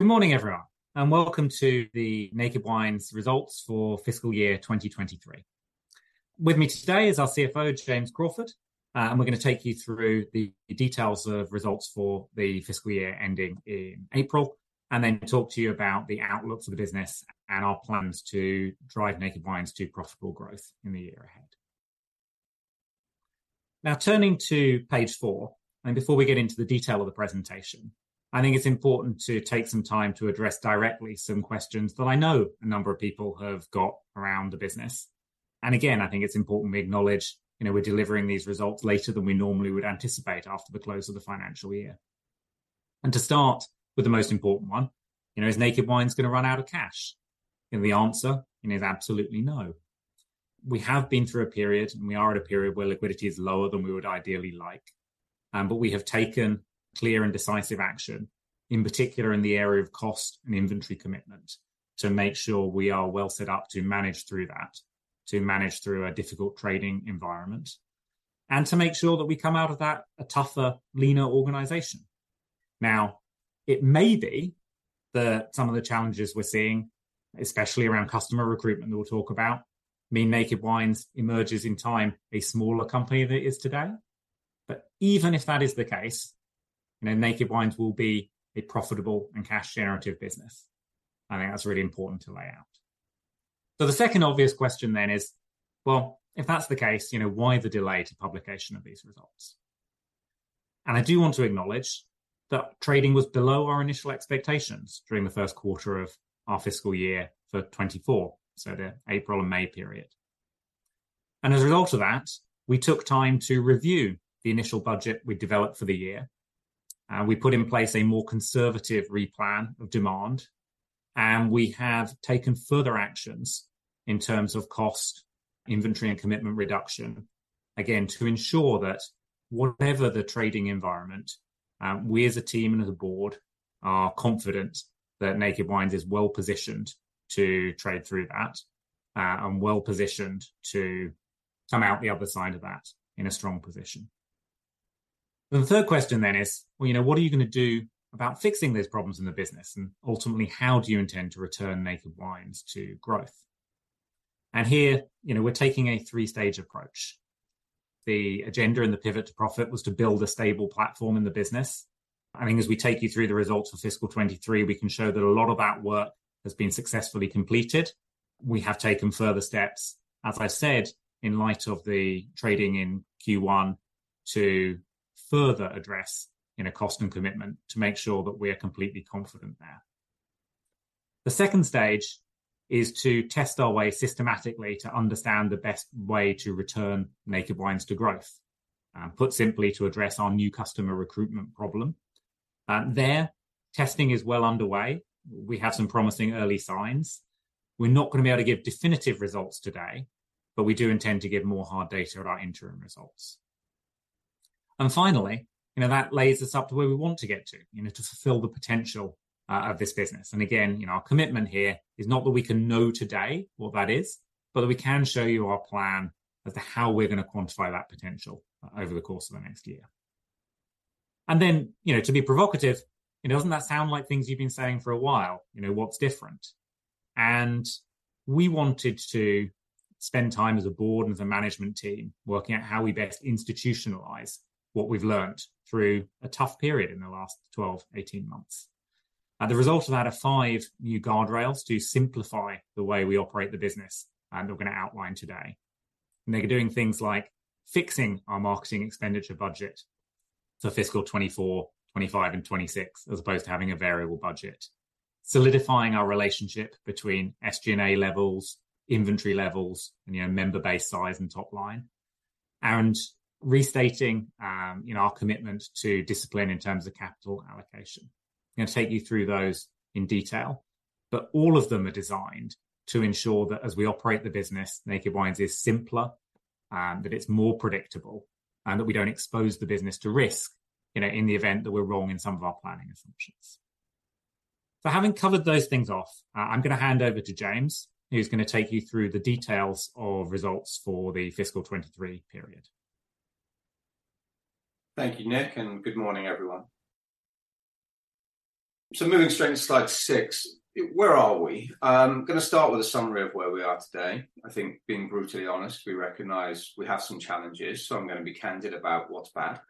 Good morning, everyone, and welcome to the Naked Wines results for fiscal year 2023. With me today is our CFO, James Crawford, and we're gonna take you through the details of results for the fiscal year ending in April, and then talk to you about the outlook for the business and our plans to drive Naked Wines to profitable growth in the year ahead. Now, turning to page 4, and before we get into the detail of the presentation, I think it's important to take some time to address directly some questions that I know a number of people have got around the business. Again, I think it's important we acknowledge, you know, we're delivering these results later than we normally would anticipate after the close of the financial year. To start with the most important one, you know, is Naked Wines gonna run out of cash? The answer is absolutely no. We have been through a period, and we are at a period where liquidity is lower than we would ideally like, but we have taken clear and decisive action, in particular in the area of cost and inventory commitment, to make sure we are well set up to manage through that, to manage through a difficult trading environment, and to make sure that we come out of that a tougher, leaner organization. Now, it may be that some of the challenges we're seeing, especially around customer recruitment, that we'll talk about, mean Naked Wines emerges in time a smaller company than it is today. Even if that is the case, you know, Naked Wines will be a profitable and cash-generative business. I think that's really important to lay out. So the second obvious question then is, well, if that's the case, you know, why the delay to publication of these results? And I do want to acknowledge that trading was below our initial expectations during the first quarter of our fiscal year 2024, so the April and May period. And as a result of that, we took time to review the initial budget we developed for the year. We put in place a more conservative replan of demand, and we have taken further actions in terms of cost, inventory, and commitment reduction, again, to ensure that whatever the trading environment, we as a team and as a board are confident that Naked Wines is well positioned to trade through that, and well positioned to come out the other side of that in a strong position. The third question then is, well, you know, what are you gonna do about fixing these problems in the business? And ultimately, how do you intend to return Naked Wines to growth? And here, you know, we're taking a three-stage approach. The agenda and the Pivot to Profit was to build a stable platform in the business. I think as we take you through the results of fiscal 2023, we can show that a lot of that work has been successfully completed. We have taken further steps, as I said, in light of the trading in Q1 to further address in a cost and commitment to make sure that we are completely confident there. The second stage is to test our way systematically to understand the best way to return Naked Wines to growth, put simply, to address our new customer recruitment problem. There, testing is well underway. We have some promising early signs. We're not gonna be able to give definitive results today, but we do intend to give more hard data at our interim results. And finally, you know, that lays us up to where we want to get to, you know, to fulfill the potential of this business. And again, you know, our commitment here is not that we can know today what that is, but that we can show you our plan as to how we're gonna quantify that potential over the course of the next year. And then, you know, to be provocative, you know, doesn't that sound like things you've been saying for a while, you know, what's different? We wanted to spend time as a board and as a management team working out how we best institutionalise what we've learnt through a tough period in the last 12, 18 months. And the result of that are 5 new guardrails to simplify the way we operate the business, and we're gonna outline today. And they're doing things like fixing our marketing expenditure budget for fiscal 2024, 2025 and 2026, as opposed to having a variable budget. Solidifying our relationship between SG&A levels, inventory levels, and, you know, member base size and top line, and restating, you know, our commitment to discipline in terms of capital allocation. I'm gonna take you through those in detail, but all of them are designed to ensure that as we operate the business, Naked Wines is simpler, that it's more predictable, and that we don't expose the business to risk, you know, in the event that we're wrong in some of our planning assumptions. So having covered those things off, I'm gonna hand over to James, who's gonna take you through the details of results for the fiscal 23 period. Thank you, Nick, and good morning, everyone. So moving straight to slide six, where are we? I'm gonna start with a summary of where we are today. I think, being brutally honest, we recognize we have some challenges, so I'm gonna be candid about what's bad,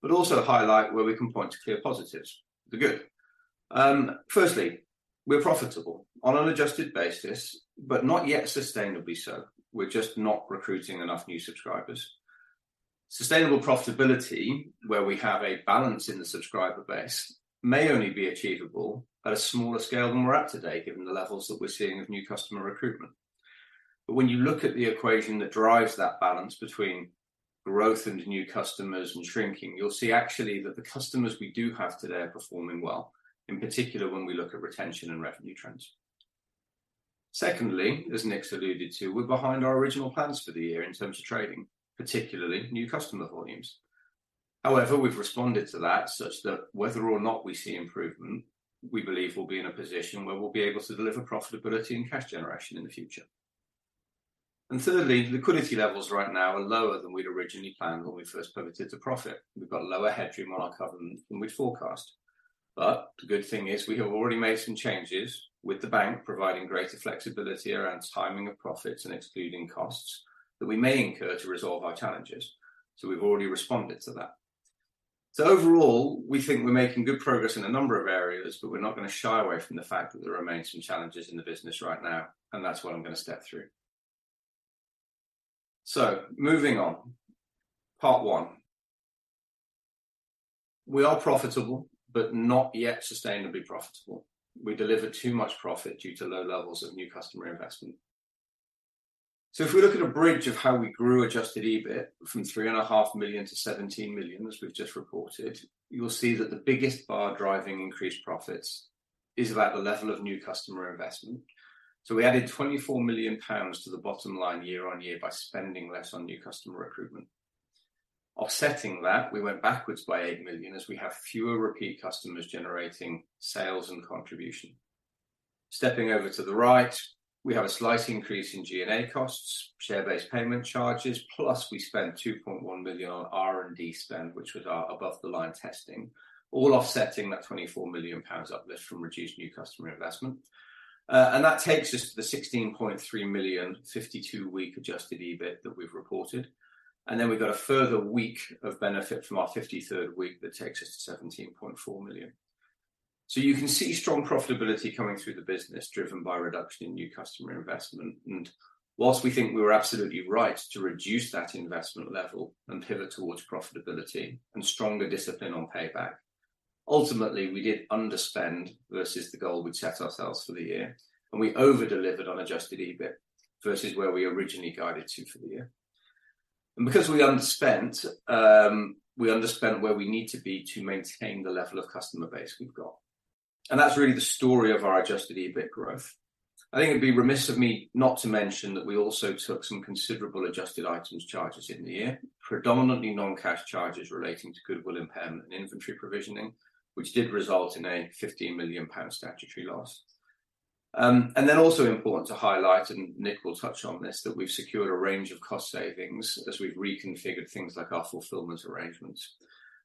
but also highlight where we can point to clear positives, the good. Firstly, we're profitable on an adjusted basis, but not yet sustainably so. We're just not recruiting enough new subscribers. Sustainable profitability, where we have a balance in the subscriber base, may only be achievable at a smaller scale than we're at today, given the levels that we're seeing of new customer recruitment. But when you look at the equation that drives that balance between growth into new customers and shrinking, you'll see actually that the customers we do have today are performing well, in particular, when we look at retention and revenue trends. Secondly, as Nick's alluded to, we're behind our original plans for the year in terms of trading, particularly new customer volumes. However, we've responded to that such that whether or not we see improvement, we believe we'll be in a position where we'll be able to deliver profitability and cash generation in the future. And thirdly, liquidity levels right now are lower than we'd originally planned when we first pivoted to profit. We've got a lower headroom on our cover than we'd forecast. But the good thing is we have already made some changes, with the bank providing greater flexibility around timing of profits and excluding costs that we may incur to resolve our challenges. So we've already responded to that. So overall, we think we're making good progress in a number of areas, but we're not gonna shy away from the fact that there remains some challenges in the business right now, and that's what I'm gonna step through. So moving on, part one: We are profitable, but not yet sustainably profitable. We deliver too much profit due to low levels of new customer investment. So if we look at a bridge of how we grew Adjusted EBIT from 3.5 million to 17 million, as we've just reported, you will see that the biggest bar driving increased profits is about the level of new customer investment. We added 24 million pounds to the bottom line year over year by spending less on new customer recruitment. Offsetting that, we went backwards by 8 million, as we have fewer repeat customers generating sales and contribution. Stepping over to the right, we have a slight increase in G&A costs, share-based payment charges, plus we spent 2.1 million on R&D spend, which was our above-the-line testing, all offsetting that 24 million pounds uplift from reduced new customer investment. That takes us to the 16.3 million, 52-week Adjusted EBIT that we've reported. We've got a further week of benefit from our 53rd week that takes us to 17.4 million. You can see strong profitability coming through the business, driven by reduction in new customer investment. Whilst we think we were absolutely right to reduce that investment level and pivot towards profitability and stronger discipline on payback, ultimately, we did underspend versus the goal we'd set ourselves for the year, and we over-delivered on Adjusted EBIT versus where we originally guided to for the year. Because we underspent, we underspent where we need to be to maintain the level of customer base we've got, and that's really the story of our Adjusted EBIT growth. I think it'd be remiss of me not to mention that we also took some considerable adjusted items charges in the year, predominantly non-cash charges relating to goodwill impairment and inventory provisioning, which did result in a 15 million pound statutory loss. And then also important to highlight, and Nick will touch on this, that we've secured a range of cost savings as we've reconfigured things like our fulfilment arrangements.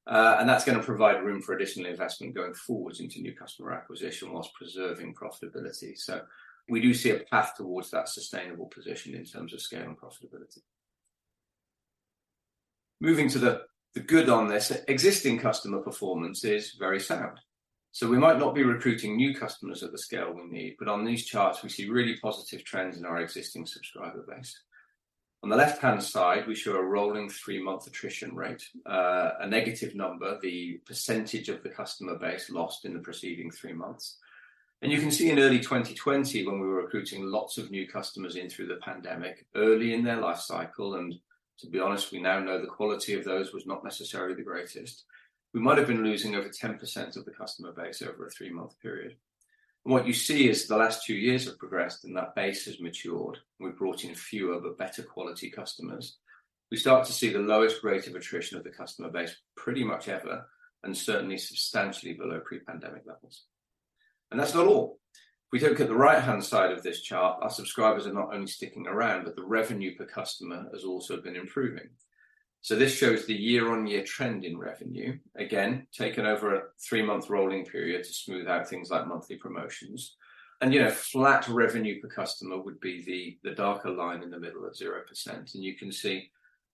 And that's gonna provide room for additional investment going forwards into new customer acquisition whilst preserving profitability. So we do see a path towards that sustainable position in terms of scale and profitability. Moving to the good on this, existing customer performance is very sound. So we might not be recruiting new customers at the scale we need, but on these charts, we see really positive trends in our existing subscriber base. On the left-hand side, we show a rolling three-month attrition rate, a negative number, the percentage of the customer base lost in the preceding three months. You can see in early 2020, when we were recruiting lots of new customers in through the pandemic, early in their life cycle, and to be honest, we now know the quality of those was not necessarily the greatest. We might have been losing over 10% of the customer base over a three-month period. What you see as the last two years have progressed and that base has matured, and we've brought in fewer but better quality customers, we start to see the lowest rate of attrition of the customer base pretty much ever, and certainly substantially below pre-pandemic levels. That's not all. If we look at the right-hand side of this chart, our subscribers are not only sticking around, but the revenue per customer has also been improving. So this shows the year-on-year trend in revenue, again, taken over a three-month rolling period to smooth out things like monthly promotions. And, you know, flat revenue per customer would be the, the darker line in the middle at 0%. And you can see,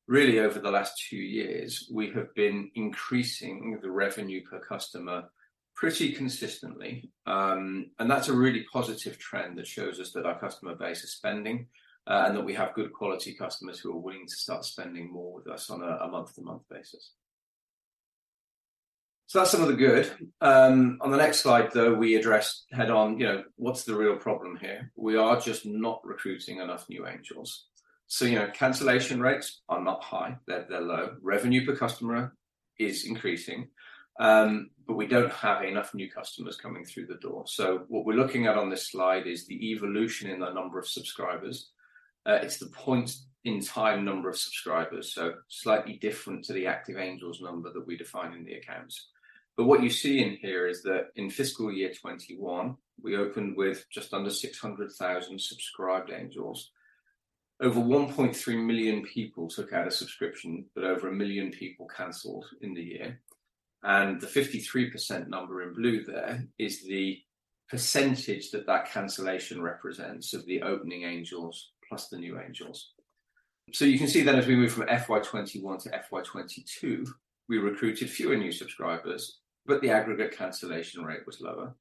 really over the last two years, we have been increasing the revenue per customer pretty consistently. And that's a really positive trend that shows us that our customer base is spending, and that we have good quality customers who are willing to start spending more with us on a, a month-to-month basis. So that's some of the good. On the next slide, though, we address head-on, you know, what's the real problem here? We are just not recruiting enough new Angels. So, you know, cancellation rates are not high, they're low. Revenue per customer is increasing, but we don't have enough new customers coming through the door. So what we're looking at on this slide is the evolution in the number of subscribers. It's the point in time number of subscribers, so slightly different to the active Angels number that we define in the accounts. But what you see in here is that in fiscal year 2021, we opened with just under 600,000 subscribed Angels. Over 1.3 million people took out a subscription, but over 1 million people cancelled in the year. And the 53% number in blue there is the percentage that that cancellation represents of the opening Angels plus the new Angels. So you can see then as we move from FY 2021 to FY 2022, we recruited fewer new subscribers, but the aggregate cancellation rate was lower.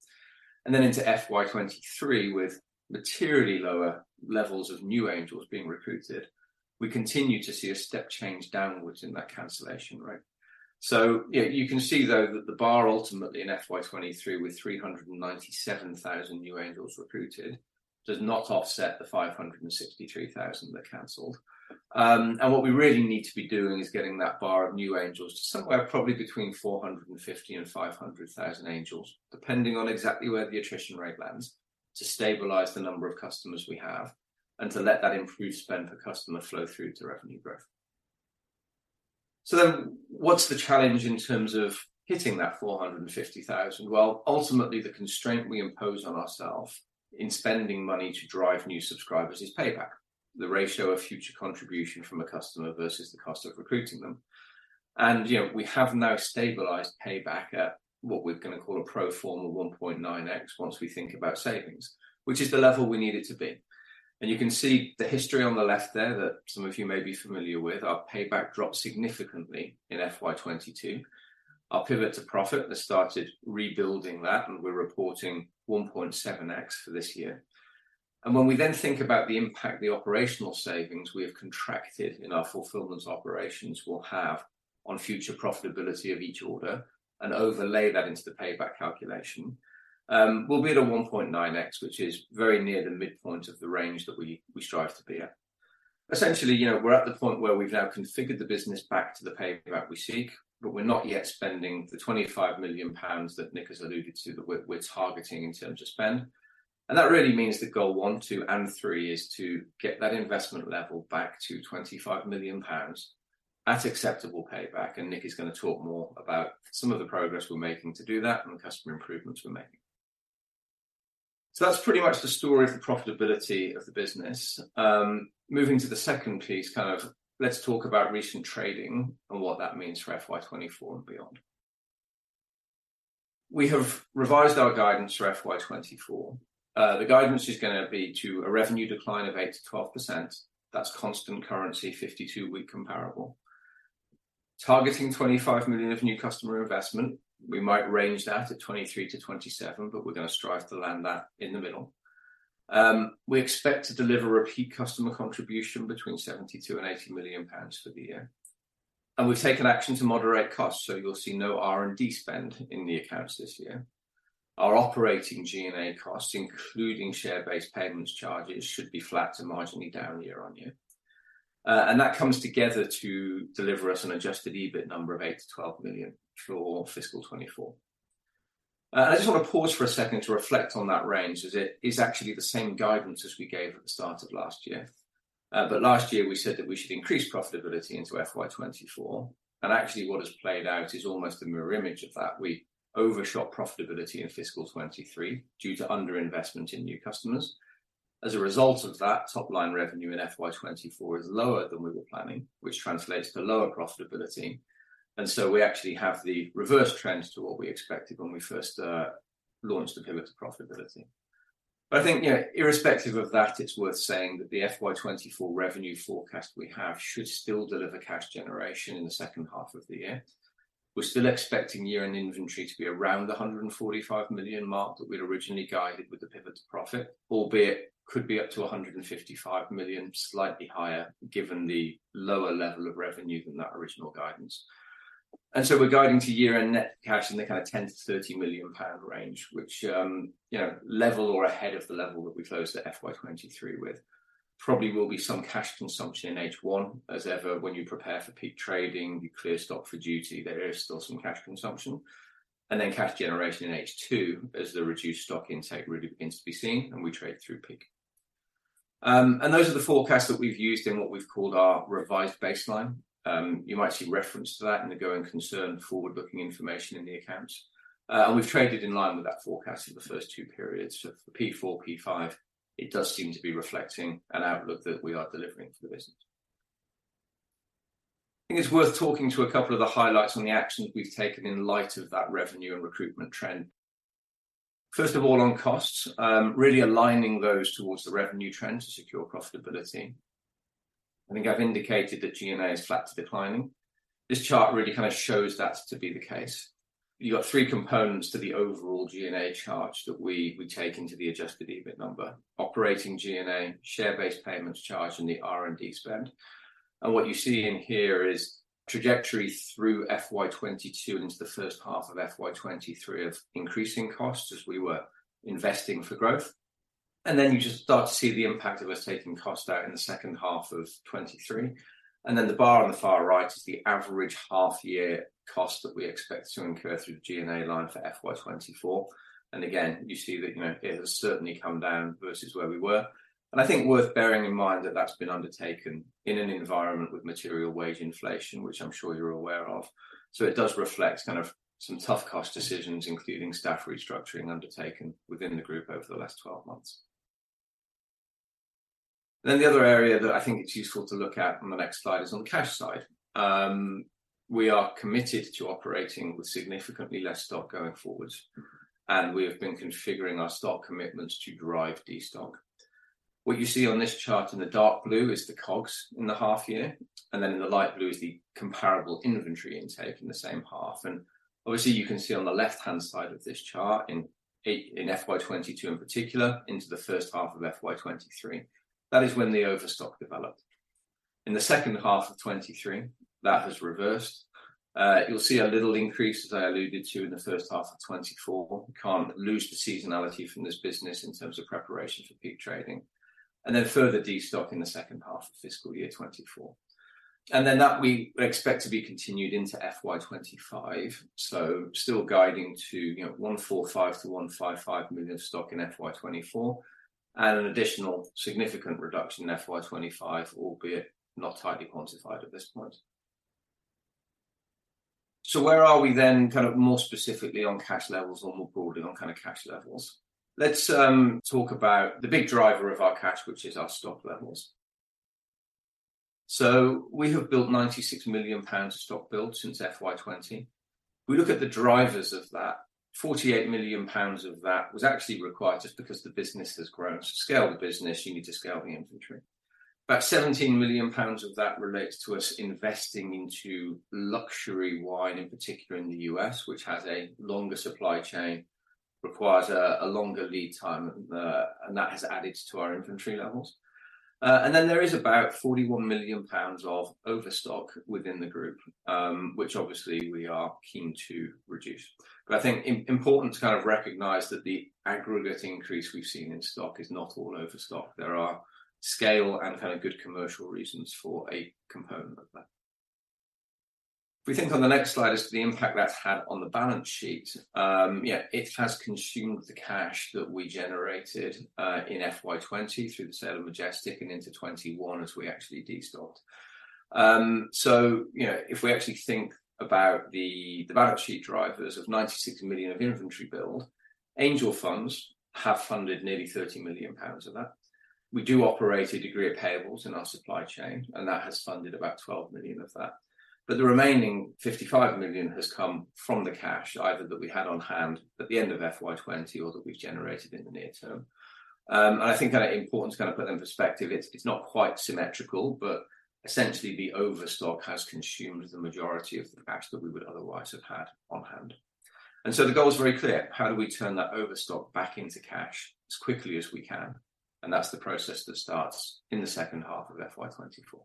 And then into FY23, with materially lower levels of new Angels being recruited, we continued to see a step change downwards in that cancellation rate. So yeah, you can see, though, that the bar ultimately in FY23, with 397,000 new Angels recruited, does not offset the 563,000 that cancelled. And what we really need to be doing is getting that bar of new Angels to somewhere probably between 450,000 and 500,000 Angels, depending on exactly where the attrition rate lands, to stabilize the number of customers we have, and to let that improved spend per customer flow through to revenue growth. So then what's the challenge in terms of hitting that 450,000? Well, ultimately, the constraint we impose on ourself in spending money to drive new subscribers is payback, the ratio of future contribution from a customer versus the cost of recruiting them. And, you know, we have now stabilised payback at what we're going to call a pro forma 1.9x once we think about savings, which is the level we need it to be. And you can see the history on the left there, that some of you may be familiar with, our payback dropped significantly in FY 2022. Our Pivot to Profit has started rebuilding that, and we're reporting 1.7x for this year. When we then think about the impact the operational savings we have contracted in our fulfilment operations will have on future profitability of each order, and overlay that into the payback calculation, we'll be at a 1.9x, which is very near the midpoint of the range that we strive to be at. Essentially, you know, we're at the point where we've now configured the business back to the payback we seek, but we're not yet spending the 25 million pounds that Nick has alluded to, that we're targeting in terms of spend. And that really means that goal 1, 2, and 3 is to get that investment level back to 25 million pounds at acceptable payback, and Nick is going to talk more about some of the progress we're making to do that and the customer improvements we're making. So that's pretty much the story of the profitability of the business. Moving to the second piece, kind of let's talk about recent trading and what that means for FY 2024 and beyond. We have revised our guidance for FY 2024. The guidance is going to be to a revenue decline of 8%-12%. That's constant currency, 52-week comparable. Targeting 25 million GBP of new customer investment, we might range that at 23-27, but we're going to strive to land that in the middle. We expect to deliver repeat customer contribution between 72-80 million pounds for the year, and we've taken action to moderate costs, so you'll see no R&D spend in the accounts this year. Our operating G&A costs, including share-based payments charges, should be flat to marginally down year-on-year. And that comes together to deliver us an Adjusted EBIT number of 8 million-12 million for fiscal 2024. I just want to pause for a second to reflect on that range, as it is actually the same guidance as we gave at the start of last year. But last year, we said that we should increase profitability into FY 2024, and actually, what has played out is almost a mirror image of that. We overshot profitability in fiscal 2023 due to underinvestment in new customers. As a result of that, top-line revenue in FY 2024 is lower than we were planning, which translates to lower profitability, and so we actually have the reverse trends to what we expected when we first launched the Pivot to Profitability. But I think, you know, irrespective of that, it's worth saying that the FY 2024 revenue forecast we have should still deliver cash generation in the second half of the year. We're still expecting year-end inventory to be around the 145 million mark that we'd originally guided with the Pivot to Profit, albeit could be up to 155 million, slightly higher, given the lower level of revenue than that original guidance. And so we're guiding to year-end net cash in the kind of 10 million-30 million pound range, which, you know, level or ahead of the level that we closed the FY 2023 with. Probably will be some cash consumption in H1. As ever, when you prepare for peak trading, you clear stock for duty, there is still some cash consumption, and then cash generation in H2 as the reduced stock intake really begins to be seen, and we trade through peak. Those are the forecasts that we've used in what we've called our revised baseline. You might see reference to that in the going concern forward-looking information in the accounts. We've traded in line with that forecast in the first two periods. For P4, P5, it does seem to be reflecting an outlook that we are delivering for the business. I think it's worth talking to a couple of the highlights on the actions we've taken in light of that revenue and recruitment trend. First of all, on costs, really aligning those towards the revenue trend to secure profitability. I think I've indicated that G&A is flat to declining. This chart really kind of shows that to be the case. You've got three components to the overall G&A charge that we take into the Adjusted EBIT number: operating G&A, share-based payments charge, and the R&D spend. What you're seeing here is trajectory through FY 2022 into the first half of FY 2023 of increasing costs as we were investing for growth. Then you just start to see the impact of us taking cost out in the second half of 2023. Then the bar on the far right is the average half-year cost that we expect to incur through the G&A line for FY 2024. Again, you see that, you know, it has certainly come down versus where we were. And I think worth bearing in mind that that's been undertaken in an environment with material wage inflation, which I'm sure you're aware of. So it does reflect kind of some tough cost decisions, including staff restructuring undertaken within the group over the last 12 months. Then the other area that I think it's useful to look at on the next slide is on the cash side. We are committed to operating with significantly less stock going forward, and we have been configuring our stock commitments to drive destock. What you see on this chart in the dark blue is the COGS in the half year, and then in the light blue is the comparable inventory intake in the same half. Obviously, you can see on the left-hand side of this chart, in FY 2022 in particular, into the first half of FY 2023, that is when the overstock developed. In the second half of 2023, that has reversed. You'll see a little increase, as I alluded to, in the first half of 2024. We can't lose the seasonality from this business in terms of preparation for peak trading, and then further destock in the second half of fiscal year 2024. And then that we expect to be continued into FY 2025, so still guiding to, you know, 145 million-155 million stock in FY 2024, and an additional significant reduction in FY 2025, albeit not highly quantified at this point. So where are we then, kind of, more specifically on cash levels or more broadly on kind of cash levels? Let's talk about the big driver of our cash, which is our stock levels. So we have built 96 million pounds of stock build since FY 2020. We look at the drivers of that, 48 million pounds of that was actually required just because the business has grown. To scale the business, you need to scale the inventory. About 17 million pounds of that relates to us investing into luxury wine, in particular in the U.S., which has a longer supply chain, requires a longer lead time, and that has added to our inventory levels. And then there is about 41 million pounds of overstock within the group, which obviously we are keen to reduce. But I think important to kind of recognize that the aggregate increase we've seen in stock is not all overstock. There are scale and kind of good commercial reasons for a component of that. If we think on the next slide as to the impact that's had on the balance sheet, yeah, it has consumed the cash that we generated in FY 2020 through the sale of Majestic and into 2021 as we actually destocked. So you know, if we actually think about the balance sheet drivers of 96 million of inventory build, Angel funds have funded nearly 30 million pounds of that. We do operate a degree of payables in our supply chain, and that has funded about 12 million of that. But the remaining 55 million has come from the cash, either that we had on hand at the end of FY 2020 or that we've generated in the near term. And I think kind of important to kind of put in perspective, it's not quite symmetrical, but essentially the overstock has consumed the majority of the cash that we would otherwise have had on hand. And so the goal is very clear: how do we turn that overstock back into cash as quickly as we can? And that's the process that starts in the second half of FY 2024.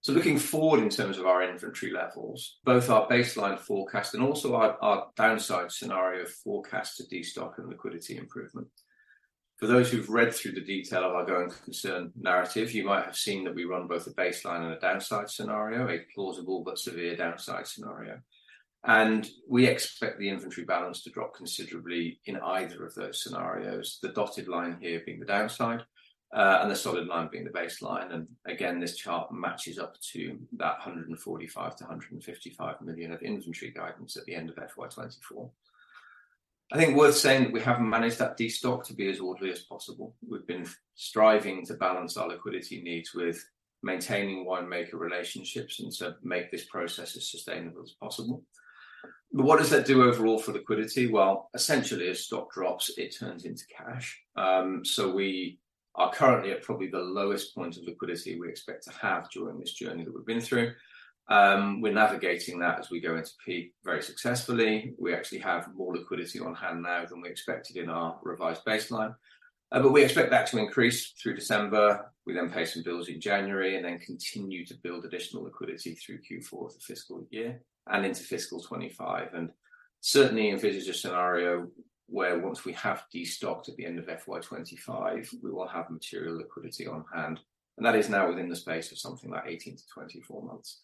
So looking forward in terms of our inventory levels, both our baseline forecast and also our, our downside scenario forecast to destock and liquidity improvement. For those who've read through the detail of our going concern narrative, you might have seen that we run both a baseline and a downside scenario, a plausible but severe downside scenario. And we expect the inventory balance to drop considerably in either of those scenarios. The dotted line here being the downside, and the solid line being the baseline. And again, this chart matches up to that 145-155 million of inventory guidance at the end of FY 2024. I think worth saying that we have managed that destock to be as orderly as possible. We've been striving to balance our liquidity needs with maintaining winemaker relationships, and so make this process as sustainable as possible. But what does that do overall for liquidity? Well, essentially, as stock drops, it turns into cash. So we are currently at probably the lowest point of liquidity we expect to have during this journey that we've been through. We're navigating that as we go into peak very successfully. We actually have more liquidity on hand now than we expected in our revised baseline. But we expect that to increase through December, we then pay some bills in January, and then continue to build additional liquidity through Q4 of the fiscal year and into fiscal 2025. And certainly envisages a scenario where once we have destocked at the end of FY 2025, we will have material liquidity on hand, and that is now within the space of something like 18-24 months.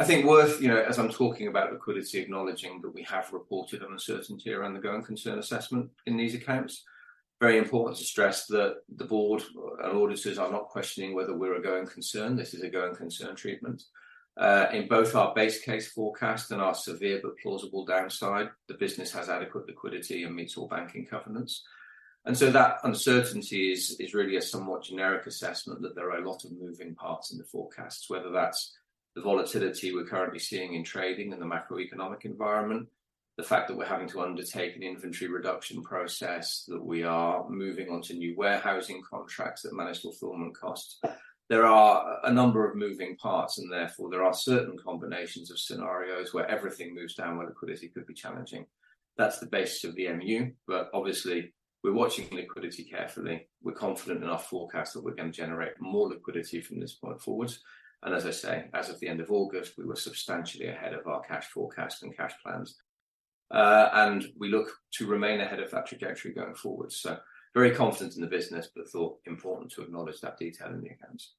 I think worth, you know, as I'm talking about liquidity, acknowledging that we have reported uncertainty around the going concern assessment in these accounts. Very important to stress that the board and auditors are not questioning whether we're a going concern. This is a going concern treatment. In both our base case forecast and our severe but plausible downside, the business has adequate liquidity and meets all banking covenants. And so that uncertainty is really a somewhat generic assessment, that there are a lot of moving parts in the forecasts. Whether that's the volatility we're currently seeing in trading and the macroeconomic environment, the fact that we're having to undertake an inventory reduction process, that we are moving on to new warehousing contracts at managed fulfilment costs. There are a number of moving parts, and therefore there are certain combinations of scenarios where everything moves down, where liquidity could be challenging. That's the basis of the MU. But obviously, we're watching liquidity carefully. We're confident in our forecast that we're going to generate more liquidity from this point forward. And as I say, as of the end of August, we were substantially ahead of our cash forecast and cash plans. And we look to remain ahead of that trajectory going forward. So very confident in the business, but I thought important to acknowledge that detail in the accounts.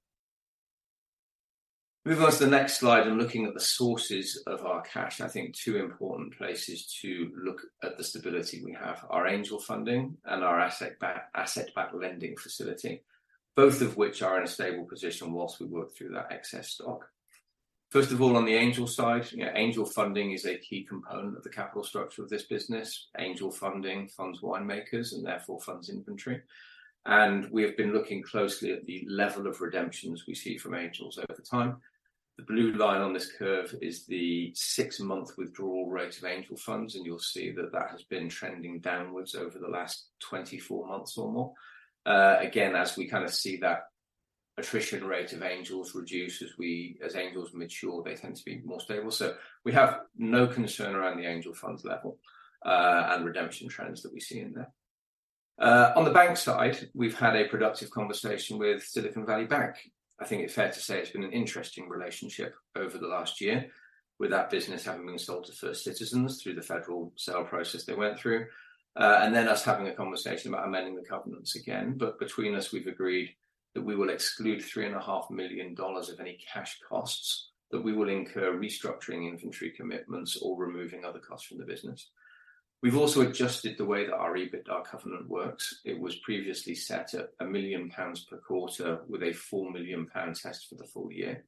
Moving on to the next slide and looking at the sources of our cash, I think two important places to look at the stability we have: our Angel funding and our asset back, asset-backed lending facility, both of which are in a stable position while we work through that excess stock. First of all, on the Angel side, you know, Angel funding is a key component of the capital structure of this business. Angel funding funds winemakers and therefore funds inventory. And we have been looking closely at the level of redemptions we see from Angels over time. The blue line on this curve is the six-month withdrawal rate of Angel funds, and you'll see that that has been trending downwards over the last 24 months or more. Again, as we kind of see that attrition rate of Angels reduce as Angels mature, they tend to be more stable. So we have no concern around the Angel funds level, and redemption trends that we see in there. On the bank side, we've had a productive conversation with Silicon Valley Bank. I think it's fair to say it's been an interesting relationship over the last year with that business having been sold to First Citizens through the federal sale process they went through. And then us having a conversation about amending the covenants again. But between us, we've agreed that we will exclude $3.5 million of any cash costs that we will incur restructuring inventory commitments or removing other costs from the business. We've also adjusted the way that our EBITDA covenant works. It was previously set at 1 million pounds per quarter, with a 4 million pound test for the full year.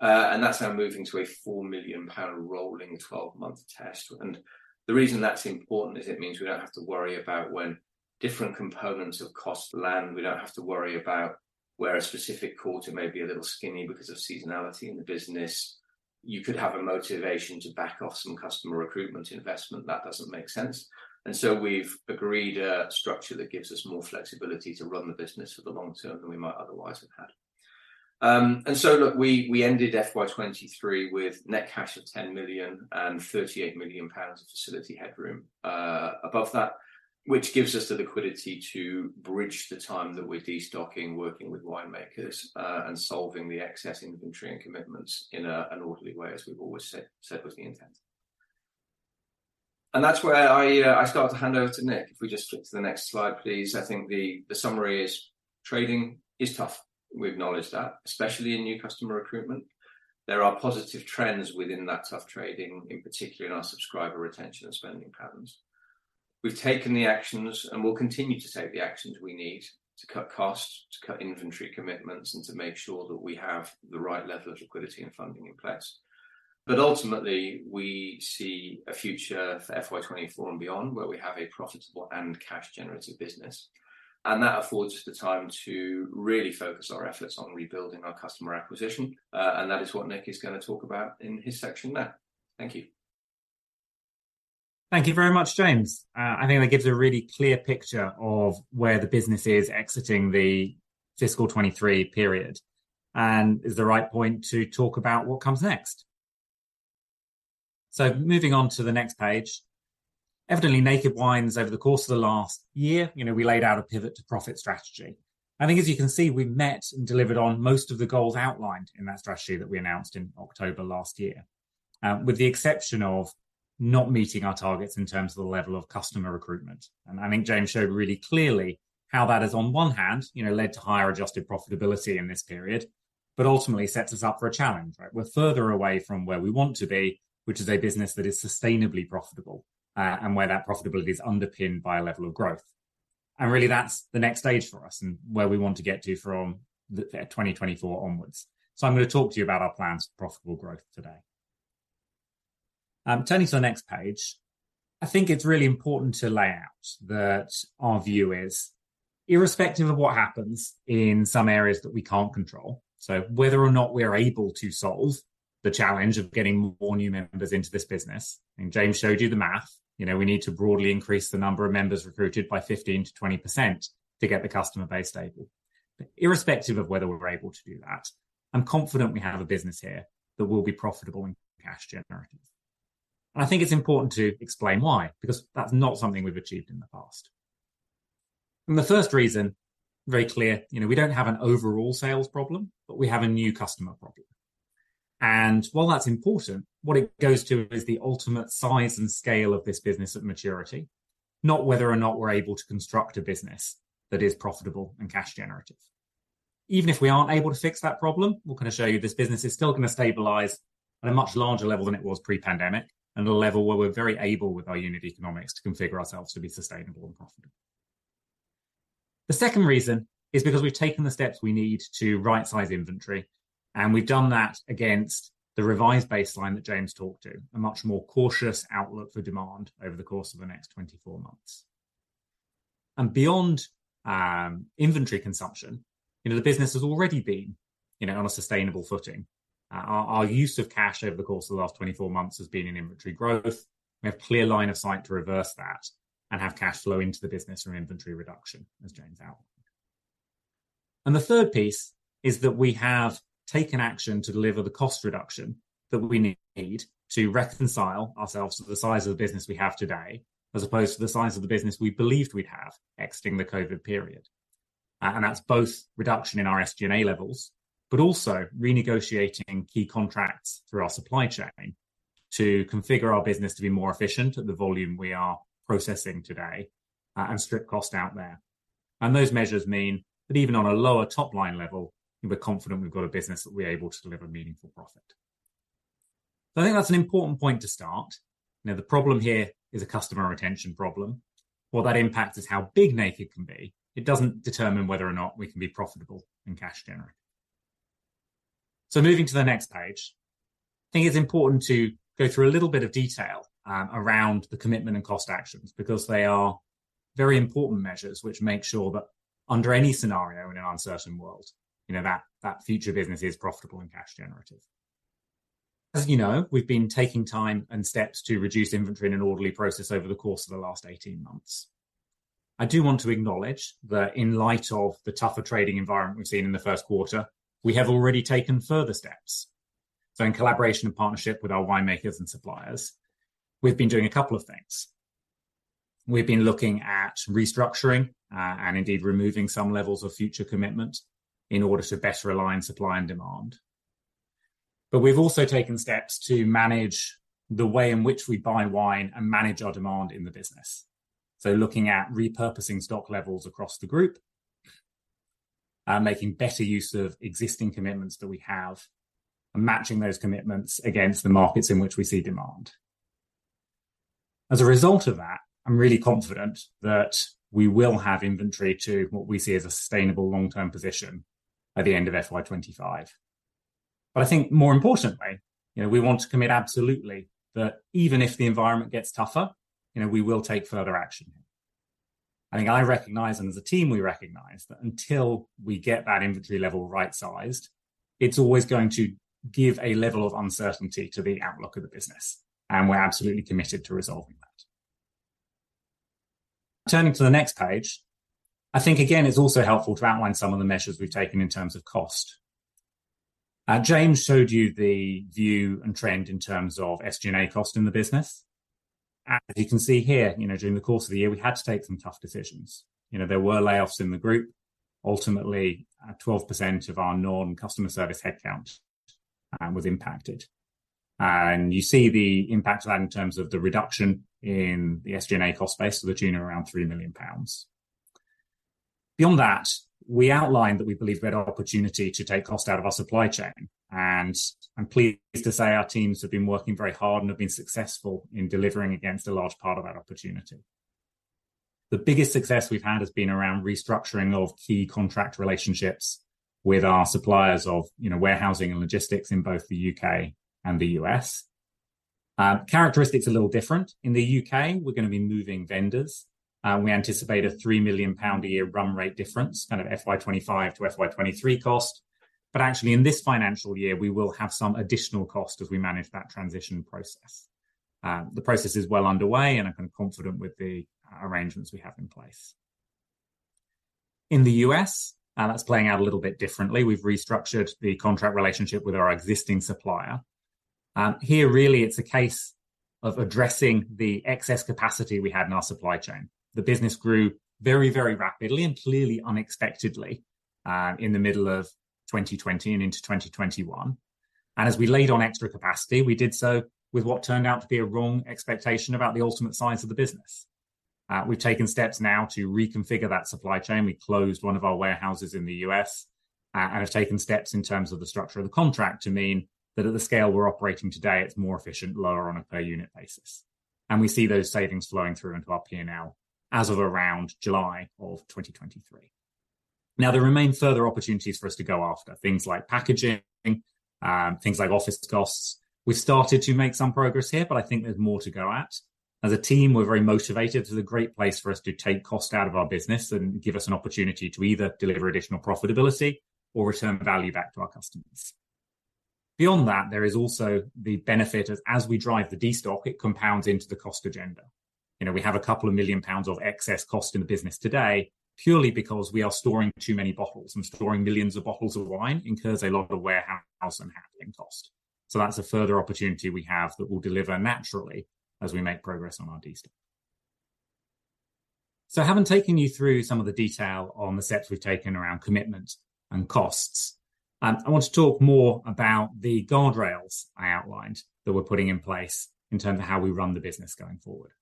And that's now moving to a 4 million pound rolling 12-month test. And the reason that's important is it means we don't have to worry about when different components of cost land. We don't have to worry about where a specific quarter may be a little skinny because of seasonality in the business. You could have a motivation to back off some customer recruitment investment. That doesn't make sense. And so we've agreed a structure that gives us more flexibility to run the business for the long term than we might otherwise have had. And so look, we ended FY 2023 with net cash of 10 million and 38 million pounds of facility headroom above that, which gives us the liquidity to bridge the time that we're destocking, working with winemakers, and solving the excess inventory and commitments in an orderly way, as we've always said, said was the intent. And that's where I start to hand over to Nick. If we just flip to the next slide, please. I think the summary is trading is tough. We acknowledge that, especially in new customer recruitment. There are positive trends within that tough trading, in particular in our subscriber retention and spending patterns. We've taken the actions, and will continue to take the actions we need to cut costs, to cut inventory commitments, and to make sure that we have the right level of liquidity and funding in place. But ultimately, we see a future for FY 24 and beyond, where we have a profitable and cash-generative business, and that affords us the time to really focus our efforts on rebuilding our customer acquisition. And that is what Nick is gonna talk about in his section now. Thank you. Thank you very much, James. I think that gives a really clear picture of where the business is exiting the fiscal 2023 period, and is the right point to talk about what comes next. Moving on to the next page. Evidently, Naked Wines over the course of the last year, you know, we laid out a Pivot to Profit strategy. I think, as you can see, we've met and delivered on most of the goals outlined in that strategy that we announced in October last year, with the exception of not meeting our targets in terms of the level of customer recruitment. I think James showed really clearly how that has, on one hand, you know, led to higher adjusted profitability in this period, but ultimately sets us up for a challenge, right? We're further away from where we want to be, which is a business that is sustainably profitable, and where that profitability is underpinned by a level of growth. And really, that's the next stage for us and where we want to get to from the 2024 onwards. So I'm gonna talk to you about our plans for profitable growth today. Turning to the next page, I think it's really important to lay out that our view is irrespective of what happens in some areas that we can't control, so whether or not we're able to solve the challenge of getting more new members into this business, and James showed you the math, you know, we need to broadly increase the number of members recruited by 15%-20% to get the customer base stable. Irrespective of whether we're able to do that, I'm confident we have a business here that will be profitable and cash generative. I think it's important to explain why, because that's not something we've achieved in the past. The first reason, very clear, you know, we don't have an overall sales problem, but we have a new customer problem. While that's important, what it goes to is the ultimate size and scale of this business at maturity, not whether or not we're able to construct a business that is profitable and cash generative. Even if we aren't able to fix that problem, we're gonna show you this business is still gonna stabilize at a much larger level than it was pre-pandemic, and a level where we're very able, with our unit economics, to configure ourselves to be sustainable and profitable. The second reason is because we've taken the steps we need to rightsize inventory, and we've done that against the revised baseline that James talked to, a much more cautious outlook for demand over the course of the next 24 months. And beyond, inventory consumption, you know, the business has already been, you know, on a sustainable footing. Our use of cash over the course of the last 24 months has been in inventory growth. We have clear line of sight to reverse that and have cash flow into the business from inventory reduction, as James outlined. And the third piece is that we have taken action to deliver the cost reduction that we need to reconcile ourselves to the size of the business we have today, as opposed to the size of the business we believed we'd have exiting the COVID period. That's both reduction in our SG&A levels, but also renegotiating key contracts through our supply chain to configure our business to be more efficient at the volume we are processing today, and strip cost out there. And those measures mean that even on a lower top-line level, we're confident we've got a business that we're able to deliver meaningful profit. I think that's an important point to start. Now, the problem here is a customer retention problem. What that impacts is how big Naked can be. It doesn't determine whether or not we can be profitable and cash generative. So moving to the next page, I think it's important to go through a little bit of detail around the commitment and cost actions, because they are very important measures which make sure that under any scenario in an uncertain world, you know, that, that future business is profitable and cash generative. As you know, we've been taking time and steps to reduce inventory in an orderly process over the course of the last 18 months. I do want to acknowledge that in light of the tougher trading environment we've seen in the first quarter, we have already taken further steps. So in collaboration and partnership with our winemakers and suppliers, we've been doing a couple of things. We've been looking at restructuring and indeed removing some levels of future commitment in order to better align supply and demand. But we've also taken steps to manage the way in which we buy wine and manage our demand in the business. So looking at repurposing stock levels across the group, making better use of existing commitments that we have and matching those commitments against the markets in which we see demand. As a result of that, I'm really confident that we will have inventory to what we see as a sustainable long-term position at the end of FY25. But I think more importantly, you know, we want to commit absolutely that even if the environment gets tougher, you know, we will take further action. I think I recognize, and as a team, we recognize, that until we get that inventory level right-sized, it's always going to give a level of uncertainty to the outlook of the business, and we're absolutely committed to resolving that. Turning to the next page, I think, again, it's also helpful to outline some of the measures we've taken in terms of cost. James showed you the view and trend in terms of SG&A cost in the business. As you can see here, you know, during the course of the year, we had to take some tough decisions. You know, there were layoffs in the group. Ultimately, 12% of our non-customer service headcount was impacted. And you see the impact of that in terms of the reduction in the SG&A cost base to the tune of around 3 million pounds. Beyond that, we outlined that we believe we had an opportunity to take cost out of our supply chain, and I'm pleased to say our teams have been working very hard and have been successful in delivering against a large part of that opportunity. The biggest success we've had has been around restructuring of key contract relationships with our suppliers of, you know, warehousing and logistics in both the U.K. and the U.S. Characteristics are a little different. In the U.K., we're gonna be moving vendors. We anticipate a 3 million pound a year run rate difference, kind of FY 2025 to FY 2023 cost. But actually, in this financial year, we will have some additional cost as we manage that transition process. The process is well underway, and I'm kind of confident with the arrangements we have in place. In the U.S., that's playing out a little bit differently. We've restructured the contract relationship with our existing supplier. Here, really, it's a case of addressing the excess capacity we had in our supply chain. The business grew very, very rapidly and clearly unexpectedly in the middle of 2020 and into 2021. And as we laid on extra capacity, we did so with what turned out to be a wrong expectation about the ultimate size of the business. We've taken steps now to reconfigure that supply chain. We closed one of our warehouses in the U.S. and have taken steps in terms of the structure of the contract to mean that at the scale we're operating today, it's more efficient, lower on a per unit basis. And we see those savings flowing through into our P&L as of around July of 2023. Now, there remain further opportunities for us to go after, things like packaging, things like office costs. We started to make some progress here, but I think there's more to go at. As a team, we're very motivated. This is a great place for us to take cost out of our business and give us an opportunity to either deliver additional profitability or return value back to our customers. Beyond that, there is also the benefit as, as we drive the destock, it compounds into the cost agenda. You know, we have a couple of million GBP of excess cost in the business today, purely because we are storing too many bottles, and storing millions of bottles of wine incurs a lot of warehouse and handling cost. So that's a further opportunity we have that will deliver naturally as we make progress on our destock. So having taken you through some of the detail on the steps we've taken around commitment and costs, I want to talk more about the guardrails I outlined that we're putting in place in terms of how we run the business going forward.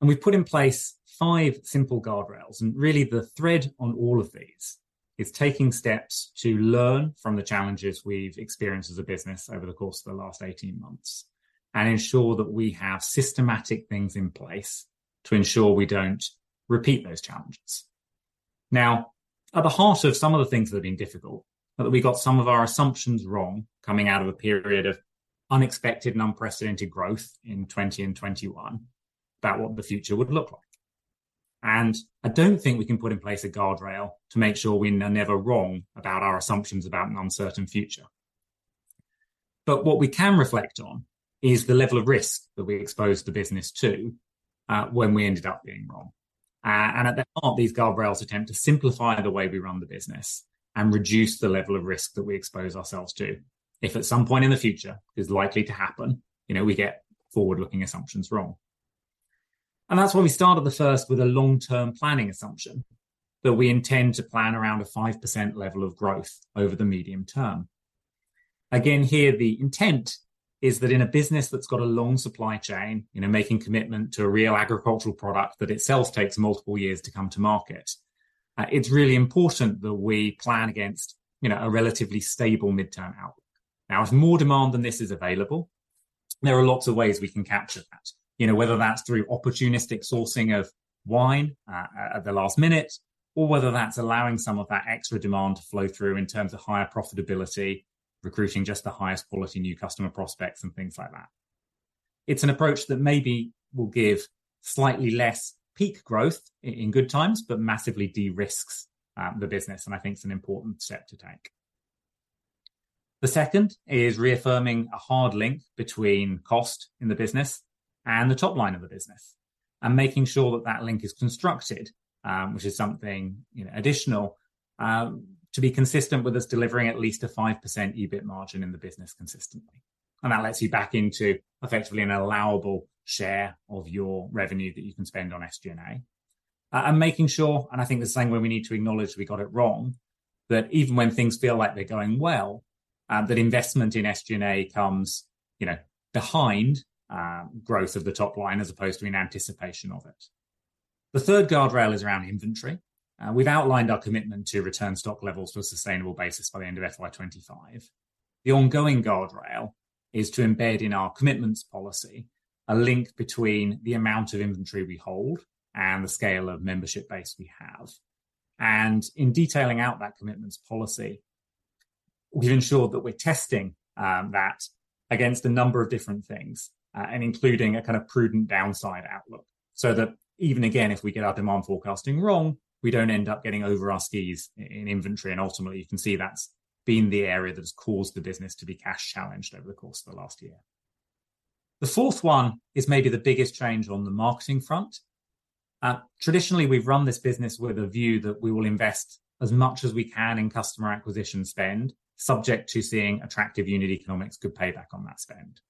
And we've put in place five simple guardrails, and really, the thread on all of these is taking steps to learn from the challenges we've experienced as a business over the course of the last eighteen months and ensure that we have systematic things in place to ensure we don't repeat those challenges. Now, at the heart of some of the things that have been difficult, are that we got some of our assumptions wrong coming out of a period of unexpected and unprecedented growth in 2020 and 2021 about what the future would look like. I don't think we can put in place a guardrail to make sure we're never wrong about our assumptions about an uncertain future. But what we can reflect on is the level of risk that we exposed the business to, when we ended up being wrong. And at the heart of these guardrails attempt to simplify the way we run the business and reduce the level of risk that we expose ourselves to. If at some point in the future, is likely to happen, you know, we get forward-looking assumptions wrong. And that's why we started the first with a long-term planning assumption, that we intend to plan around a 5% level of growth over the medium term. Again, here, the intent is that in a business that's got a long supply chain, you know, making commitment to a real agricultural product that itself takes multiple years to come to market, it's really important that we plan against, you know, a relatively stable mid-term outlook. Now, if more demand than this is available, there are lots of ways we can capture that. You know, whether that's through opportunistic sourcing of wine at the last minute, or whether that's allowing some of that extra demand to flow through in terms of higher profitability, recruiting just the highest quality new customer prospects, and things like that. It's an approach that maybe will give slightly less peak growth in good times, but massively de-risks the business, and I think it's an important step to take. The second is reaffirming a hard link between cost in the business and the top line of the business, and making sure that that link is constructed, which is something, you know, additional, to be consistent with us delivering at least a 5% EBIT margin in the business consistently. And that lets you back into effectively an allowable share of your revenue that you can spend on SG&A. And making sure, and I think this is something where we need to acknowledge we got it wrong, that even when things feel like they're going well, that investment in SG&A comes, you know, behind, growth of the top line as opposed to in anticipation of it. The third guardrail is around inventory. We've outlined our commitment to return stock levels to a sustainable basis by the end of FY25. The ongoing guardrail is to embed in our commitments policy, a link between the amount of inventory we hold and the scale of membership base we have. In detailing out that commitments policy, we've ensured that we're testing that against a number of different things, and including a kind of prudent downside outlook, so that even again, if we get our demand forecasting wrong, we don't end up getting over our skis in inventory, and ultimately, you can see that's been the area that has caused the business to be cash challenged over the course of the last year. The fourth one is maybe the biggest change on the marketing front. Traditionally, we've run this business with a view that we will invest as much as we can in customer acquisition spend, subject to seeing attractive unit economics, good payback on that spend.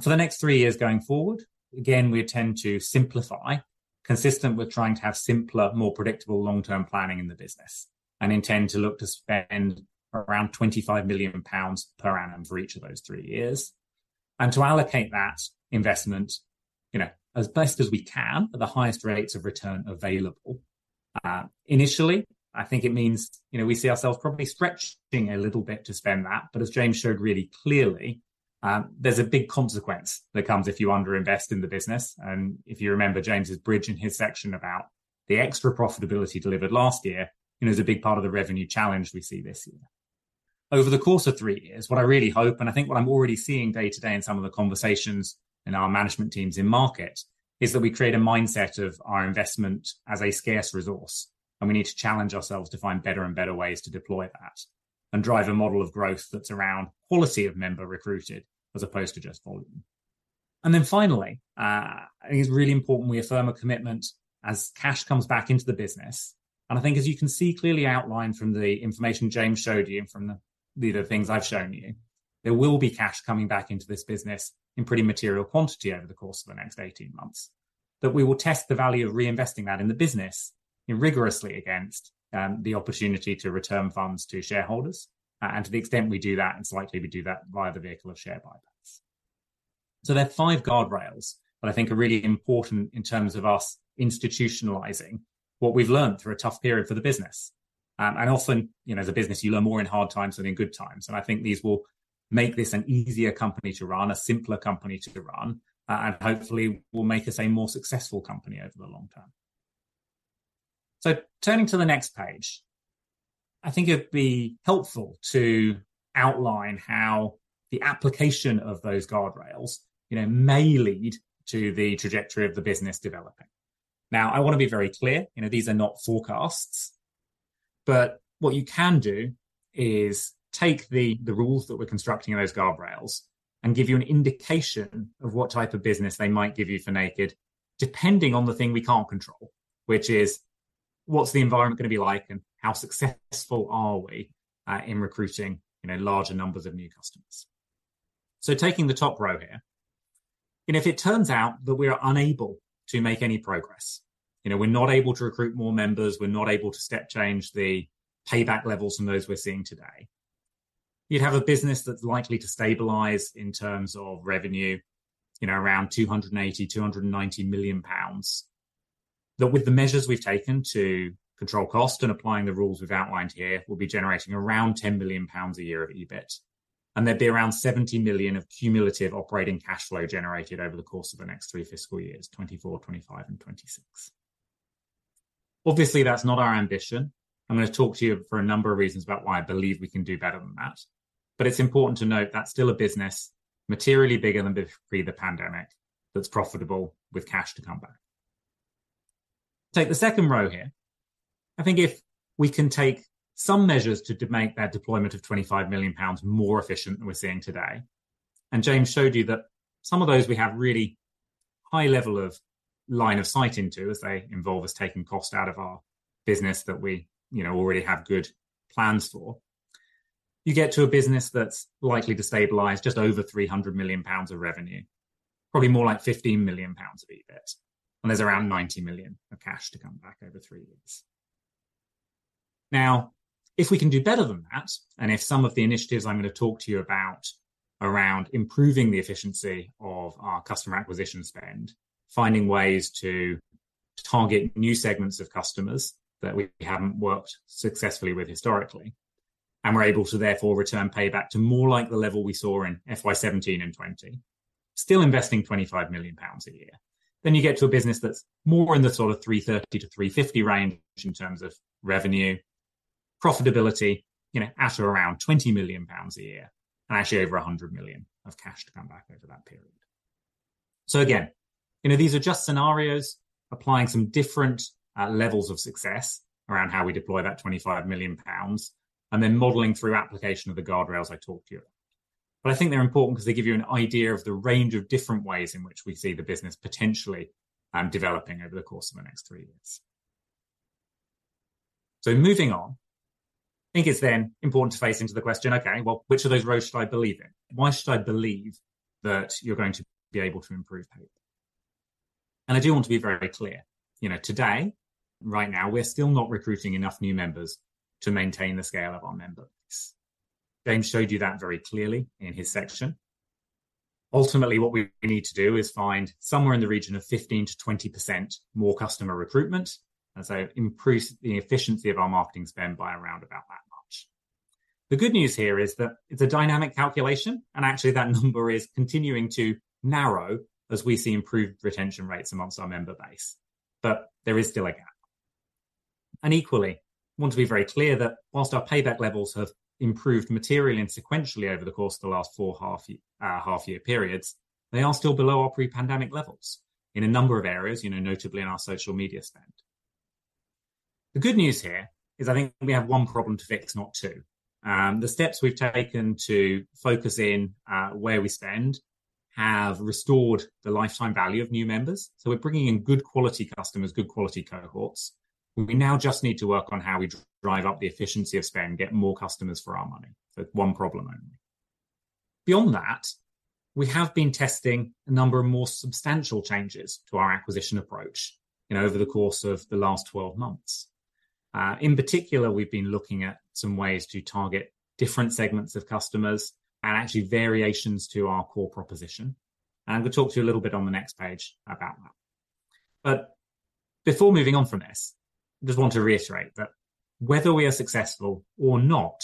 For the next three years going forward, again, we intend to simplify, consistent with trying to have simpler, more predictable long-term planning in the business, and intend to look to spend around 25 million pounds per annum for each of those three years, and to allocate that investment, you know, as best as we can at the highest rates of return available. Initially, I think it means, you know, we see ourselves probably stretching a little bit to spend that, but as James showed really clearly, there's a big consequence that comes if you underinvest in the business. And if you remember James's bridge in his section about the extra profitability delivered last year, it is a big part of the revenue challenge we see this year. Over the course of three years, what I really hope, and I think what I'm already seeing day to day in some of the conversations in our management teams in market, is that we create a mindset of our investment as a scarce resource, and we need to challenge ourselves to find better and better ways to deploy that and drive a model of growth that's around quality of member recruited, as opposed to just volume. Then finally, I think it's really important we affirm a commitment as cash comes back into the business. And I think as you can see clearly outlined from the information James showed you and from the, the things I've shown you, there will be cash coming back into this business in pretty material quantity over the course of the next 18 months. We will test the value of reinvesting that in the business, rigorously against, you know, the opportunity to return funds to shareholders. To the extent we do that, it's likely we do that via the vehicle of share buybacks. There are five guardrails that I think are really important in terms of us institutionalizing what we've learned through a tough period for the business. You know, as a business, you learn more in hard times than in good times, and I think these will make this an easier company to run, a simpler company to run, and hopefully will make us a more successful company over the long term. Turning to the next page, I think it'd be helpful to outline how the application of those guardrails, you know, may lead to the trajectory of the business developing. Now, I want to be very clear, you know, these are not forecasts, but what you can do is take the rules that we're constructing in those guardrails and give you an indication of what type of business they might give you for Naked, depending on the thing we can't control, which is what's the environment going to be like and how successful are we, you know, in recruiting, you know, larger numbers of new customers? Taking the top row here, if it turns out that we are unable to make any progress, you know, we're not able to recruit more members, we're not able to step change the payback levels from those we're seeing today, you'd have a business that's likely to stabilize in terms of revenue, you know, around 280 million-290 million pounds. That with the measures we've taken to control cost and applying the rules we've outlined here, we'll be generating around 10 million pounds a year of EBIT, and there'd be around 70 million of cumulative operating cash flow generated over the course of the next three fiscal years, 2024, 2025, and 2026. Obviously, that's not our ambition. I'm going to talk to you for a number of reasons about why I believe we can do better than that. But it's important to note that's still a business materially bigger than before the pandemic, that's profitable with cash to come back. Take the second row here. I think if we can take some measures to make that deployment of 25 million pounds more efficient than we're seeing today, and James showed you that some of those we have really high level of line of sight into, as they involve us taking cost out of our business that we, you know, already have good plans for. You get to a business that's likely to stabilize just over 300 million pounds of revenue, probably more like 15 million pounds of EBIT, and there's around 90 million of cash to come back over three years. Now, if we can do better than that, and if some of the initiatives I'm going to talk to you about around improving the efficiency of our customer acquisition spend, finding ways to target new segments of customers that we haven't worked successfully with historically, and we're able to therefore return payback to more like the level we saw in FY 2017 and 2020, still investing 25 million pounds a year. Then you get to a business that's more in the sort of 330 million-350 million range in terms of revenue, profitability, you know, at or around 20 million pounds a year, and actually over 100 million of cash to come back over that period. So again, you know, these are just scenarios applying some different levels of success around how we deploy that 25 million pounds, and then modeling through application of the guardrails I talked to you about. But I think they're important 'cause they give you an idea of the range of different ways in which we see the business potentially developing over the course of the next three years. So moving on, I think it's then important to face into the question, okay, well, which of those rows should I believe in? Why should I believe that you're going to be able to improve payback? And I do want to be very clear, you know, today, right now, we're still not recruiting enough new members to maintain the scale of our members. James showed you that very clearly in his section. Ultimately, what we need to do is find somewhere in the region of 15%-20% more customer recruitment, and so improve the efficiency of our marketing spend by around about that much. The good news here is that it's a dynamic calculation, and actually, that number is continuing to narrow as we see improved retention rates among our member base, but there is still a gap. And equally, I want to be very clear that while our payback levels have improved materially and sequentially over the course of the last 4 half-year, half-year periods, they are still below our pre-pandemic levels in a number of areas, you know, notably in our social media spend. The good news here is I think we have one problem to fix, not two. The steps we've taken to focus in where we spend have restored the lifetime value of new members. So we're bringing in good quality customers, good quality cohorts. We now just need to work on how we drive up the efficiency of spend and get more customers for our money. So one problem only. Beyond that, we have been testing a number of more substantial changes to our acquisition approach, you know, over the course of the last 12 months. In particular, we've been looking at some ways to target different segments of customers and actually variations to our core proposition, and we'll talk to you a little bit on the next page about that. But before moving on from this, I just want to reiterate that whether we are successful or not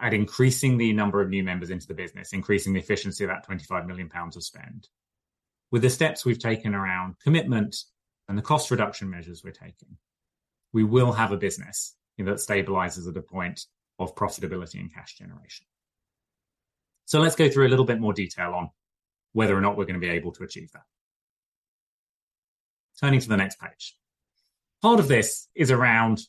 at increasing the number of new members into the business, increasing the efficiency of that 25 million pounds of spend, with the steps we've taken around commitment and the cost reduction measures we're taking, we will have a business, you know, that stabilizes at a point of profitability and cash generation. So let's go through a little bit more detail on whether or not we're gonna be able to achieve that. Turning to the next page. Part of this is around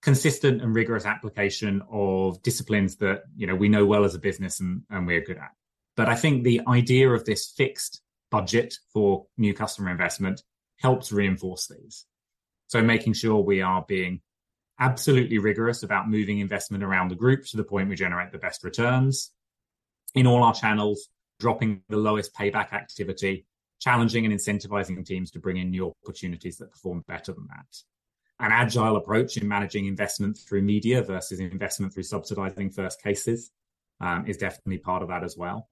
consistent and rigorous application of disciplines that, you know, we know well as a business and we're good at. But I think the idea of this fixed budget for new customer investment helps reinforce these. So making sure we are being absolutely rigorous about moving investment around the group to the point we generate the best returns in all our channels, dropping the lowest payback activity, challenging and incentivizing the teams to bring in new opportunities that perform better than that. An agile approach in managing investment through media versus investment through subsidizing first cases is definitely part of that as well.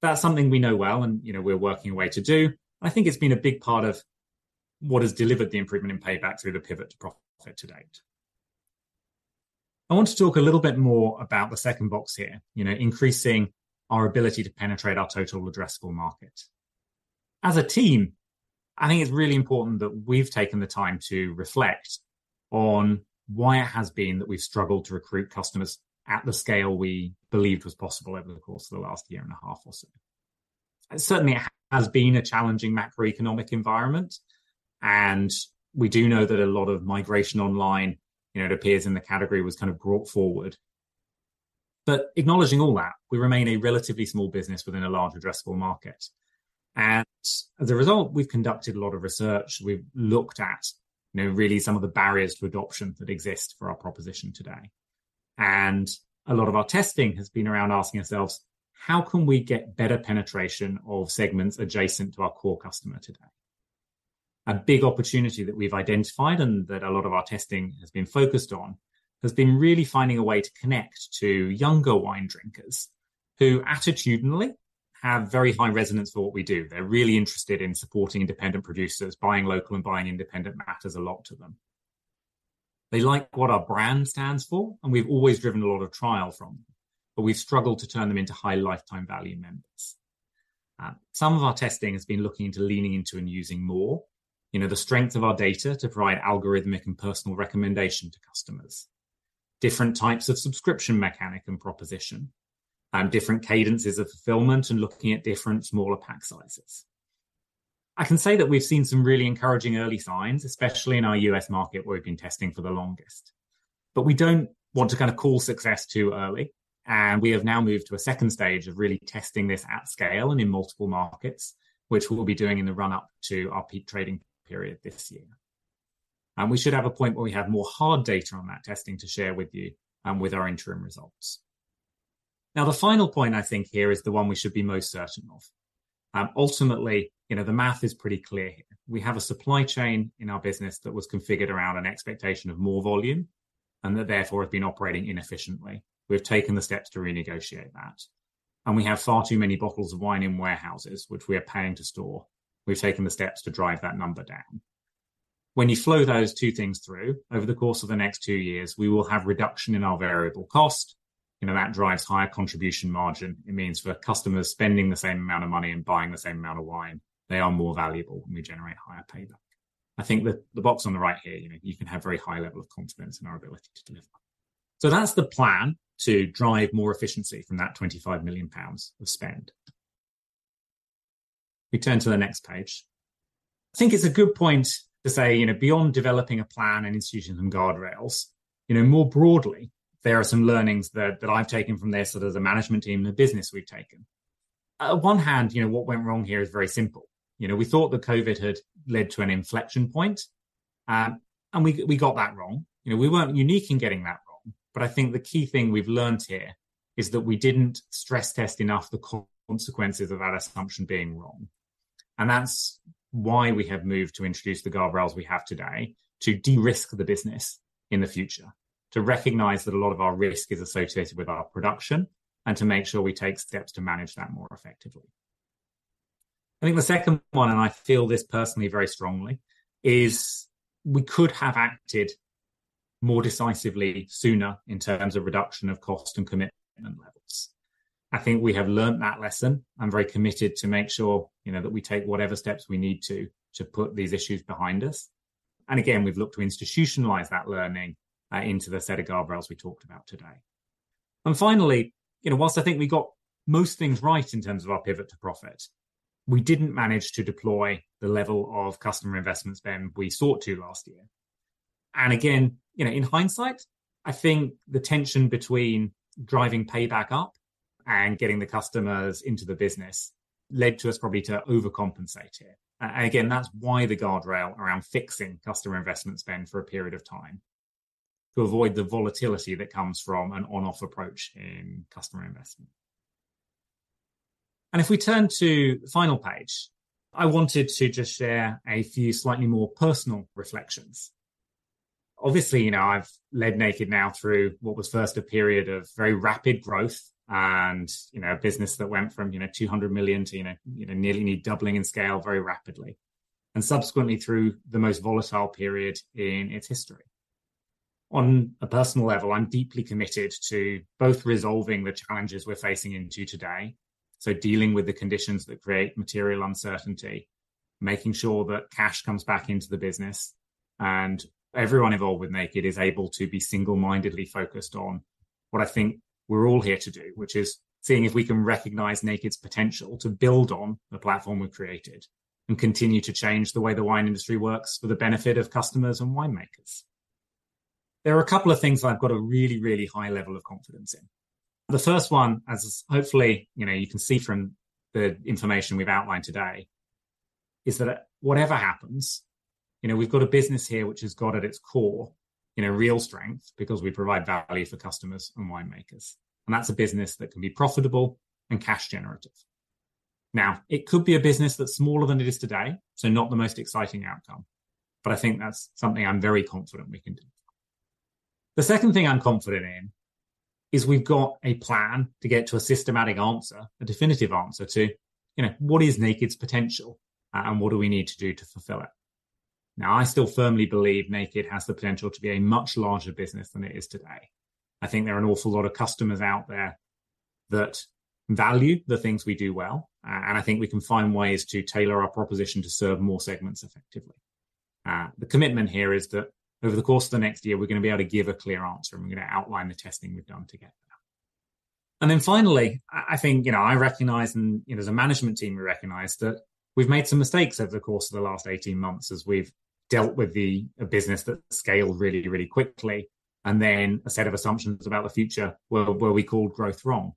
That's something we know well, and, you know, we're working a way to do. I think it's been a big part of what has delivered the improvement in payback through the Pivot to Profit to date. I want to talk a little bit more about the second box here, you know, increasing our ability to penetrate our total addressable market. As a team, I think it's really important that we've taken the time to reflect on why it has been that we've struggled to recruit customers at the scale we believed was possible over the course of the last year and a half or so. It certainly has been a challenging macroeconomic environment, and we do know that a lot of migration online, you know, it appears in the category, was kind of brought forward. But acknowledging all that, we remain a relatively small business within a large addressable market. And as a result, we've conducted a lot of research. We've looked at, you know, really some of the barriers to adoption that exist for our proposition today. A lot of our testing has been around asking ourselves, "How can we get better penetration of segments adjacent to our core customer today?" A big opportunity that we've identified and that a lot of our testing has been focused on, has been really finding a way to connect to younger wine drinkers, who attitudinally have very high resonance for what we do. They're really interested in supporting independent producers. Buying local and buying independent matters a lot to them. They like what our brand stands for, and we've always driven a lot of trial from them, but we've struggled to turn them into high lifetime value members. Some of our testing has been looking into leaning into and using more, you know, the strength of our data to provide algorithmic and personal recommendation to customers, different types of subscription mechanics and proposition, and different cadences of fulfilment, and looking at different smaller pack sizes. I can say that we've seen some really encouraging early signs, especially in our U.S. market, where we've been testing for the longest. But we don't want to kind of call success too early, and we have now moved to a second stage of really testing this at scale and in multiple markets, which we'll be doing in the run-up to our peak trading period this year. And we should have a point where we have more hard data on that testing to share with you and with our interim results. Now, the final point I think here, is the one we should be most certain of. Ultimately, you know, the math is pretty clear. We have a supply chain in our business that was configured around an expectation of more volume, and that therefore, have been operating inefficiently. We've taken the steps to renegotiate that, and we have far too many bottles of wine in warehouses, which we are paying to store. We've taken the steps to drive that number down. When you flow those two things through, over the course of the next two years, we will have reduction in our variable cost. You know, that drives higher contribution margin. It means for customers spending the same amount of money and buying the same amount of wine, they are more valuable, and we generate higher payback. I think the box on the right here, you know, you can have very high level of confidence in our ability to deliver. So that's the plan to drive more efficiency from that 25 million pounds of spend. We turn to the next page. I think it's a good point to say, you know, beyond developing a plan and instituting some guardrails, you know, more broadly, there are some learnings that I've taken from this, so does the management team and the business we've taken. On one hand, you know, what went wrong here is very simple. You know, we thought that COVID had led to an inflection point, and we got that wrong. You know, we weren't unique in getting that wrong, but I think the key thing we've learned here is that we didn't stress test enough the consequences of our assumption being wrong. And that's why we have moved to introduce the guardrails we have today to de-risk the business in the future, to recognize that a lot of our risk is associated with our production, and to make sure we take steps to manage that more effectively. I think the second one, and I feel this personally very strongly, is we could have acted more decisively sooner in terms of reduction of cost and commitment levels. I think we have learned that lesson. I'm very committed to make sure, you know, that we take whatever steps we need to, to put these issues behind us. And again, we've looked to institutionalize that learning, into the set of guardrails we talked about today. And finally, you know, while I think we got most things right in terms of our Pivot to Profit, we didn't manage to deploy the level of customer investment spend we sought to last year. And again, you know, in hindsight, I think the tension between driving payback up and getting the customers into the business led to us probably to overcompensate here. And again, that's why the guardrail around fixing customer investment spend for a period of time to avoid the volatility that comes from an on-off approach in customer investment. And if we turn to the final page, I wanted to just share a few slightly more personal reflections. Obviously, you know, I've led Naked now through what was first a period of very rapid growth and, you know, a business that went from, you know, 200 million to, you know, you know, nearly doubling in scale very rapidly, and subsequently through the most volatile period in its history. On a personal level, I'm deeply committed to both resolving the challenges we're facing in today, so dealing with the conditions that create material uncertainty, making sure that cash comes back into the business, and everyone involved with Naked is able to be single-mindedly focused on what I think we're all here to do, which is seeing if we can recognize Naked's potential to build on the platform we've created and continue to change the way the wine industry works for the benefit of customers and winemakers. There are a couple of things I've got a really, really high level of confidence in. The first one, as hopefully, you know, you can see from the information we've outlined today, is that whatever happens, you know, we've got a business here which has got at its core, you know, real strength because we provide value for customers and winemakers, and that's a business that can be profitable and cash generative. Now, it could be a business that's smaller than it is today, so not the most exciting outcome, but I think that's something I'm very confident we can do. The second thing I'm confident in is we've got a plan to get to a systematic answer, a definitive answer to, you know, what is Naked's potential, and what do we need to do to fulfill it? Now, I still firmly believe Naked has the potential to be a much larger business than it is today. I think there are an awful lot of customers out there that value the things we do well, and I think we can find ways to tailor our proposition to serve more segments effectively. The commitment here is that over the course of the next year, we're gonna be able to give a clear answer, and we're gonna outline the testing we've done to get there. And then finally, I think, you know, I recognize and, you know, as a management team, we recognize that we've made some mistakes over the course of the last 18 months as we've dealt with a business that scaled really, really quickly, and then a set of assumptions about the future where we called growth wrong.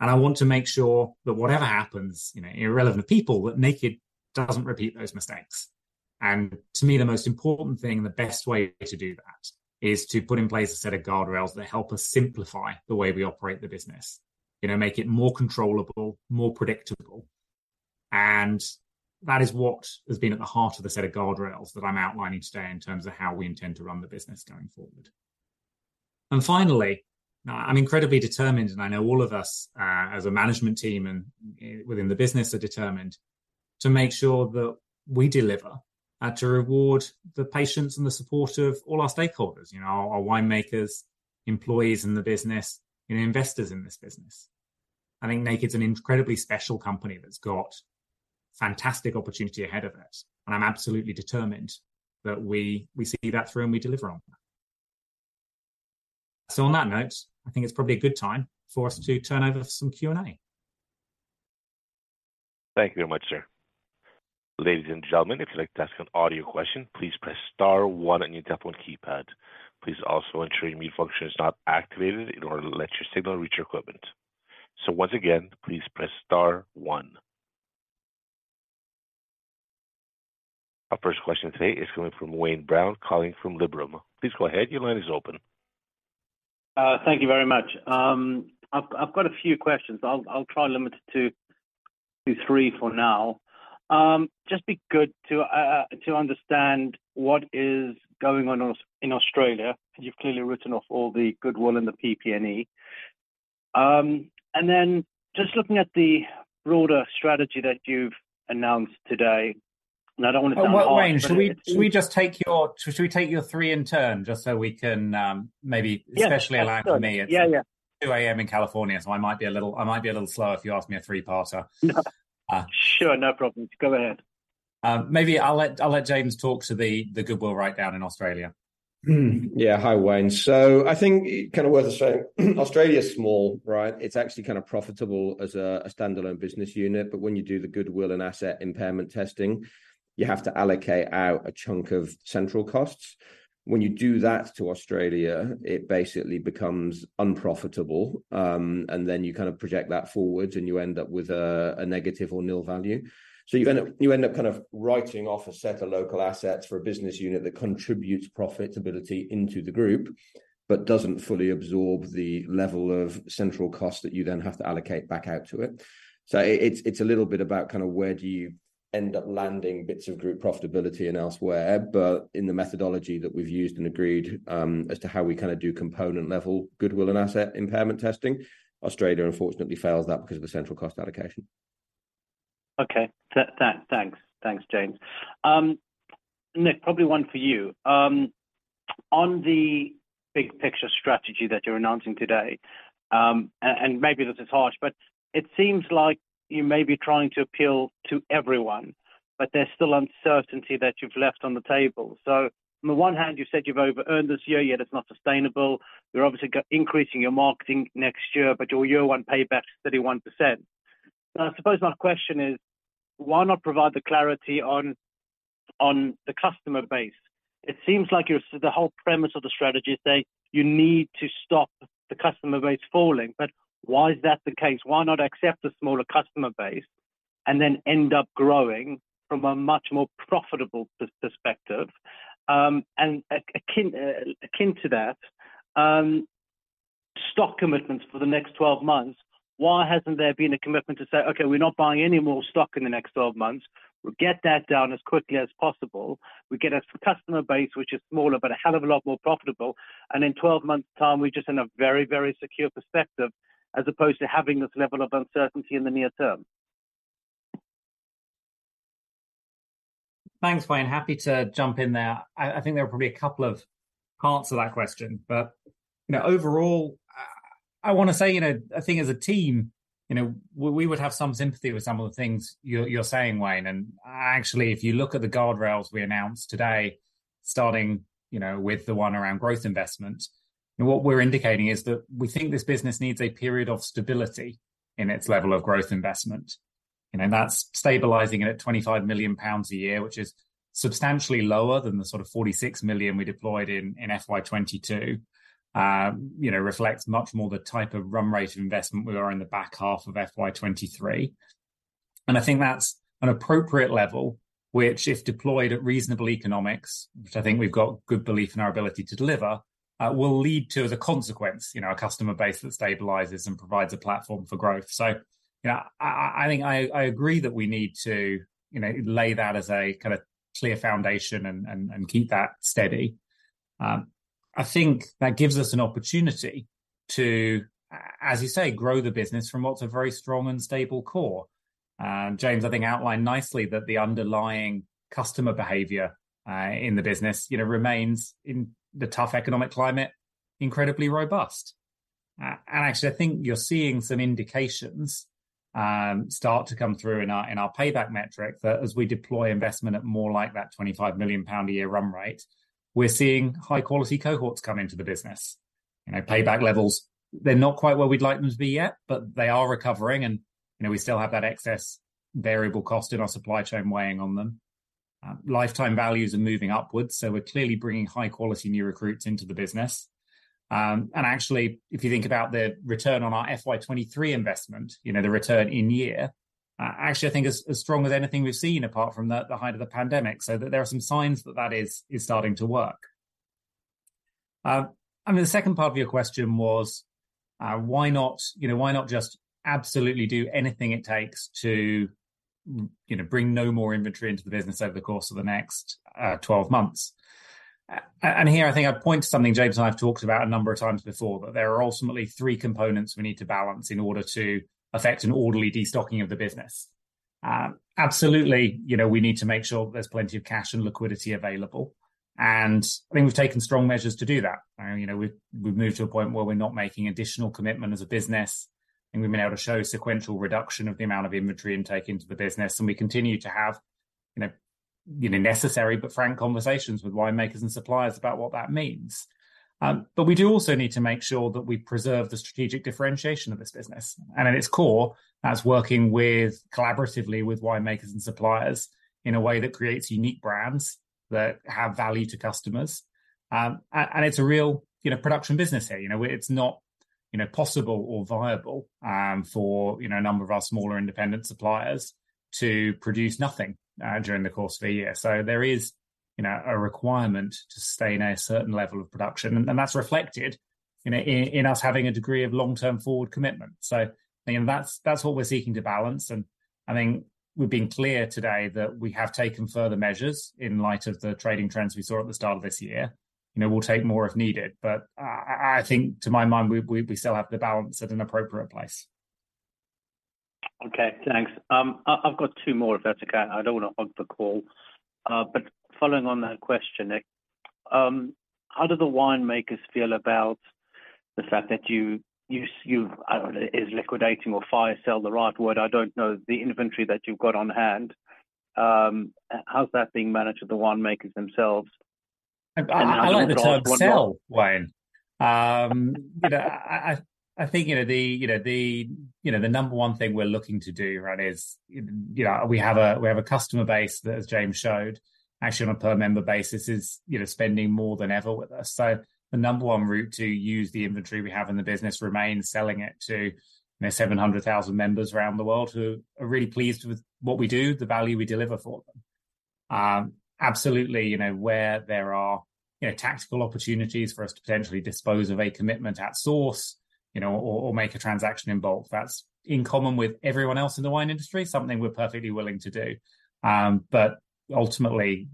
I want to make sure that whatever happens, you know, irrespective of people, that Naked doesn't repeat those mistakes. To me, the most important thing, and the best way to do that is to put in place a set of guardrails that help us simplify the way we operate the business. You know, make it more controllable, more predictable, and that is what has been at the heart of the set of guardrails that I'm outlining today in terms of how we intend to run the business going forward. And finally, I'm incredibly determined, and I know all of us, as a management team and within the business, are determined to make sure that we deliver to reward the patience and the support of all our stakeholders, you know, our winemakers, employees in the business, and investors in this business. I think Naked's an incredibly special company that's got fantastic opportunity ahead of it, and I'm absolutely determined that we see that through and we deliver on that. So on that note, I think it's probably a good time for us to turn over for some Q&A. Thank you very much, sir. Ladies and gentlemen, if you'd like to ask an audio question, please press star one on your telephone keypad. Please also ensure your mute function is not activated in order to let your signal reach your equipment. So once again, please press star one. Our first question today is coming from Wayne Brown, calling from Liberum. Please go ahead. Your line is open. Thank you very much. I've got a few questions. I'll try to limit it to three for now. Just be good to understand what is going on in Australia, and you've clearly written off all the goodwill in the PP&E. Just looking at the broader strategy that you've announced today, I don't wanna- Well, Wayne, should we, should we just take your- should we take your three in turn, just so we can, maybe- Yeah. especially allow for me, it's Yeah, yeah 2 A.M. in California, so I might be a little slow if you ask me a 3-parter. Sure, no problem. Go ahead. Maybe I'll let James talk to the goodwill write down in Australia. Hmm. Yeah, hi, Wayne. So I think kind of worth saying, Australia's small, right? It's actually kind of profitable as a standalone business unit, but when you do the goodwill and asset impairment testing, you have to allocate out a chunk of central costs. When you do that to Australia, it basically becomes unprofitable, and then you kind of project that forward, and you end up with a negative or nil value. So you end up, you end up kind of writing off a set of local assets for a business unit that contributes profitability into the group, but doesn't fully absorb the level of central cost that you then have to allocate back out to it. So it's a little bit about kind of where do you end up landing bits of group profitability and elsewhere, but in the methodology that we've used and agreed, as to how we kind of do component-level goodwill and asset impairment testing, Australia unfortunately fails that because of the central cost allocation. Okay. Thanks, thanks, James. Nick, probably one for you. On the big picture strategy that you're announcing today, and maybe this is harsh, but it seems like you may be trying to appeal to everyone, but there's still uncertainty that you've left on the table. So on the one hand, you've said you've overearned this year, yet it's not sustainable. You're obviously going to increase your marketing next year, but your year one payback's 31%. I suppose my question is, why not provide the clarity on the customer base? It seems like the whole premise of the strategy is saying you need to stop the customer base falling, but why is that the case? Why not accept a smaller customer base and then end up growing from a much more profitable perspective? And akin to that, stock commitments for the next 12 months, why hasn't there been a commitment to say, "Okay, we're not buying any more stock in the next 12 months. We'll get that down as quickly as possible. We get a customer base which is smaller, but a hell of a lot more profitable, and in 12 months' time, we're just in a very, very secure perspective, as opposed to having this level of uncertainty in the near term? Thanks, Wayne. Happy to jump in there. I think there are probably a couple of parts to that question, but, you know, overall, I wanna say, you know, I think as a team, you know, we would have some sympathy with some of the things you're saying, Wayne. And actually, if you look at the guardrails we announced today, starting, you know, with the one around growth investment, and what we're indicating is that we think this business needs a period of stability in its level of growth investment. You know, that's stabilising it at 25 million pounds a year, which is substantially lower than the sort of 46 million we deployed in FY 2022. You know, reflects much more the type of run rate of investment we are in the back half of FY 2023. And I think that's an appropriate level, which, if deployed at reasonable economics, which I think we've got good belief in our ability to deliver, will lead to, as a consequence, you know, a customer base that stabilizes and provides a platform for growth. So, you know, I think I agree that we need to, you know, lay that as a kinda clear foundation and keep that steady. I think that gives us an opportunity to, as you say, grow the business from what's a very strong and stable core. And James, I think, outlined nicely that the underlying customer behavior in the business, you know, remains in the tough economic climate, incredibly robust. And actually, I think you're seeing some indications start to come through in our payback metric, that as we deploy investment at more like that 25 million pound a year run rate, we're seeing high-quality cohorts come into the business. You know, payback levels, they're not quite where we'd like them to be yet, but they are recovering and, you know, we still have that excess variable cost in our supply chain weighing on them. Lifetime values are moving upwards, so we're clearly bringing high-quality new recruits into the business. And actually, if you think about the return on our FY23 investment, you know, the return in year actually I think is strong as anything we've seen, apart from the height of the pandemic, so there are some signs that that is starting to work. And the second part of your question was, why not, you know, why not just absolutely do anything it takes to, you know, bring no more inventory into the business over the course of the next 12 months? And here, I think I'd point to something James and I have talked about a number of times before, that there are ultimately three components we need to balance in order to affect an orderly destocking of the business. Absolutely, you know, we need to make sure there's plenty of cash and liquidity available, and I think we've taken strong measures to do that. You know, we've, we've moved to a point where we're not making additional commitment as a business, and we've been able to show sequential reduction of the amount of inventory intake into the business, and we continue to have, you know, you know, necessary, but frank conversations with winemakers and suppliers about what that means. But we do also need to make sure that we preserve the strategic differentiation of this business, and at its core, that's working with, collaboratively with winemakers and suppliers in a way that creates unique brands that have value to customers. And it's a real, you know, production business here. You know, it's not, you know, possible or viable, for, you know, a number of our smaller independent suppliers to produce nothing, during the course of a year. So there is, you know, a requirement to sustain a certain level of production, and that's reflected, you know, in us having a degree of long-term forward commitment. So, you know, that's what we're seeking to balance, and I think we've been clear today that we have taken further measures in light of the trading trends we saw at the start of this year. You know, we'll take more if needed, but I think to my mind, we still have the balance at an appropriate place. Okay, thanks. I've got two more, if that's okay. I don't wanna hog the call. But following on that question, Nick, how do the winemakers feel about the fact that you've is liquidating or fire sale the right word? I don't know, the inventory that you've got on hand, how's that being managed with the winemakers themselves? I like the term sell, Wayne. But I think, you know, the number one thing we're looking to do right is, you know, we have a customer base that, as James showed, actually on a per member basis is, you know, spending more than ever with us. So the number one route to use the inventory we have in the business remains selling it to the 700,000 members around the world who are really pleased with what we do, the value we deliver for them. Absolutely, you know, where there are, you know, tactical opportunities for us to potentially dispose of a commitment at source, you know, or make a transaction in bulk, that's in common with everyone else in the wine industry, something we're perfectly willing to do. But ultimately,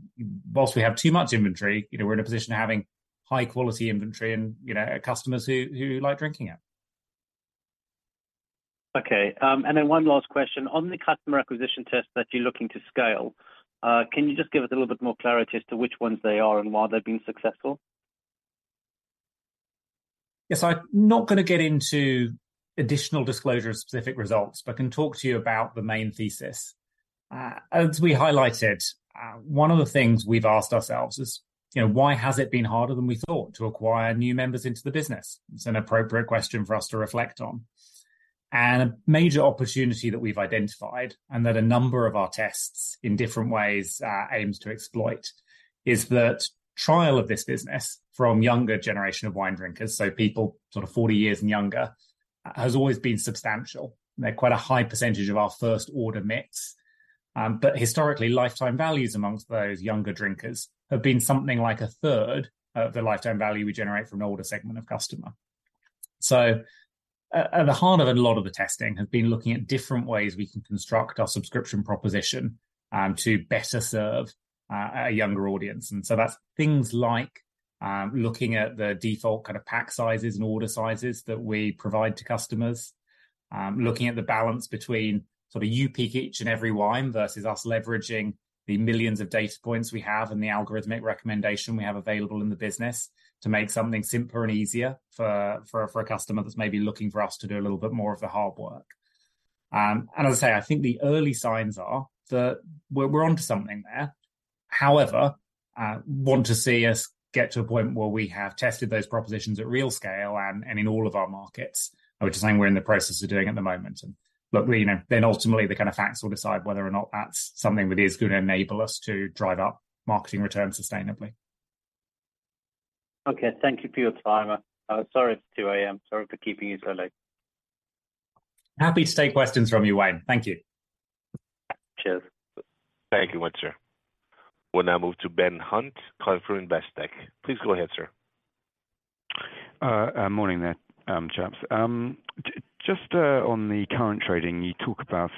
whilst we have too much inventory, you know, we're in a position of having high quality inventory and, you know, customers who like drinking it. Okay. And then one last question. On the customer acquisition test that you're looking to scale, can you just give us a little bit more clarity as to which ones they are and why they've been successful? Yes, I'm not gonna get into additional disclosure of specific results, but can talk to you about the main thesis. As we highlighted, one of the things we've asked ourselves is, you know, why has it been harder than we thought to acquire new members into the business? It's an appropriate question for us to reflect on. And a major opportunity that we've identified, and that a number of our tests in different ways, aims to exploit, is that trial of this business from younger generation of wine drinkers, so people sort of 40 years and younger, has always been substantial. They're quite a high percentage of our first order mix. But historically, lifetime values amongst those younger drinkers have been something like a third of the lifetime value we generate from an older segment of customer. So, at the heart of it, a lot of the testing has been looking at different ways we can construct our subscription proposition to better serve a younger audience. And so that's things like looking at the default kind of pack sizes and order sizes that we provide to customers. Looking at the balance between sort of you pick each and every wine versus us leveraging the millions of data points we have and the algorithmic recommendation we have available in the business to make something simpler and easier for a customer that's maybe looking for us to do a little bit more of the hard work. And as I say, I think the early signs are that we're onto something there. However, I want to see us get to a point where we have tested those propositions at real scale and in all of our markets, which is something we're in the process of doing at the moment. And look, we know, then ultimately, the kind of facts will decide whether or not that's something that is gonna enable us to drive up marketing returns sustainably. Okay. Thank you for your time. Sorry, it's 2 A.M., sorry for keeping you so late. Happy to take questions from you, Wayne. Thank you. Cheers. Thank you, Wayne. We'll now move to Ben Hunt, Investec. Please go ahead, sir. Morning there, chaps. Just on the current trading, you talk about,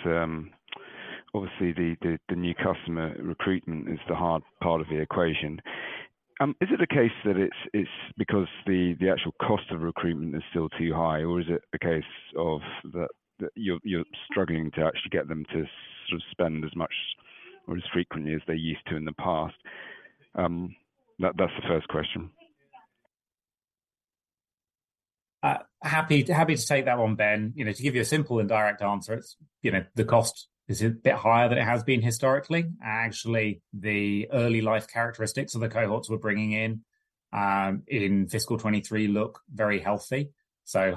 obviously, the new customer recruitment is the hard part of the equation. Is it a case that it's because the actual cost of recruitment is still too high, or is it a case that you're struggling to actually get them to sort of spend as much or as frequently as they used to in the past? That's the first question. Happy to take that one, Ben. You know, to give you a simple and direct answer, it's, you know, the cost is a bit higher than it has been historically. Actually, the early life characteristics of the cohorts we're bringing in in Fiscal 2023 look very healthy. So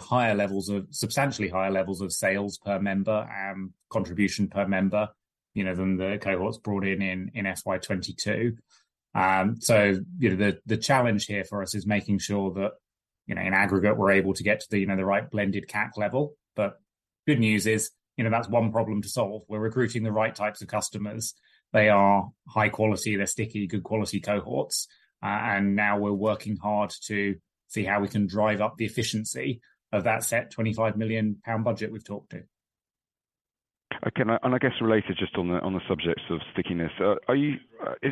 substantially higher levels of sales per member and contribution per member, you know, than the cohorts brought in in FY 2022. So you know, the challenge here for us is making sure that, you know, in aggregate, we're able to get to the, you know, the right blended CAC level. But good news is, you know, that's one problem to solve. We're recruiting the right types of customers. They are high quality, they're sticky, good quality cohorts, and now we're working hard to see how we can drive up the efficiency of that set 25 million pound budget we've talked in. Okay. I guess related just on the, on the subject of stickiness, is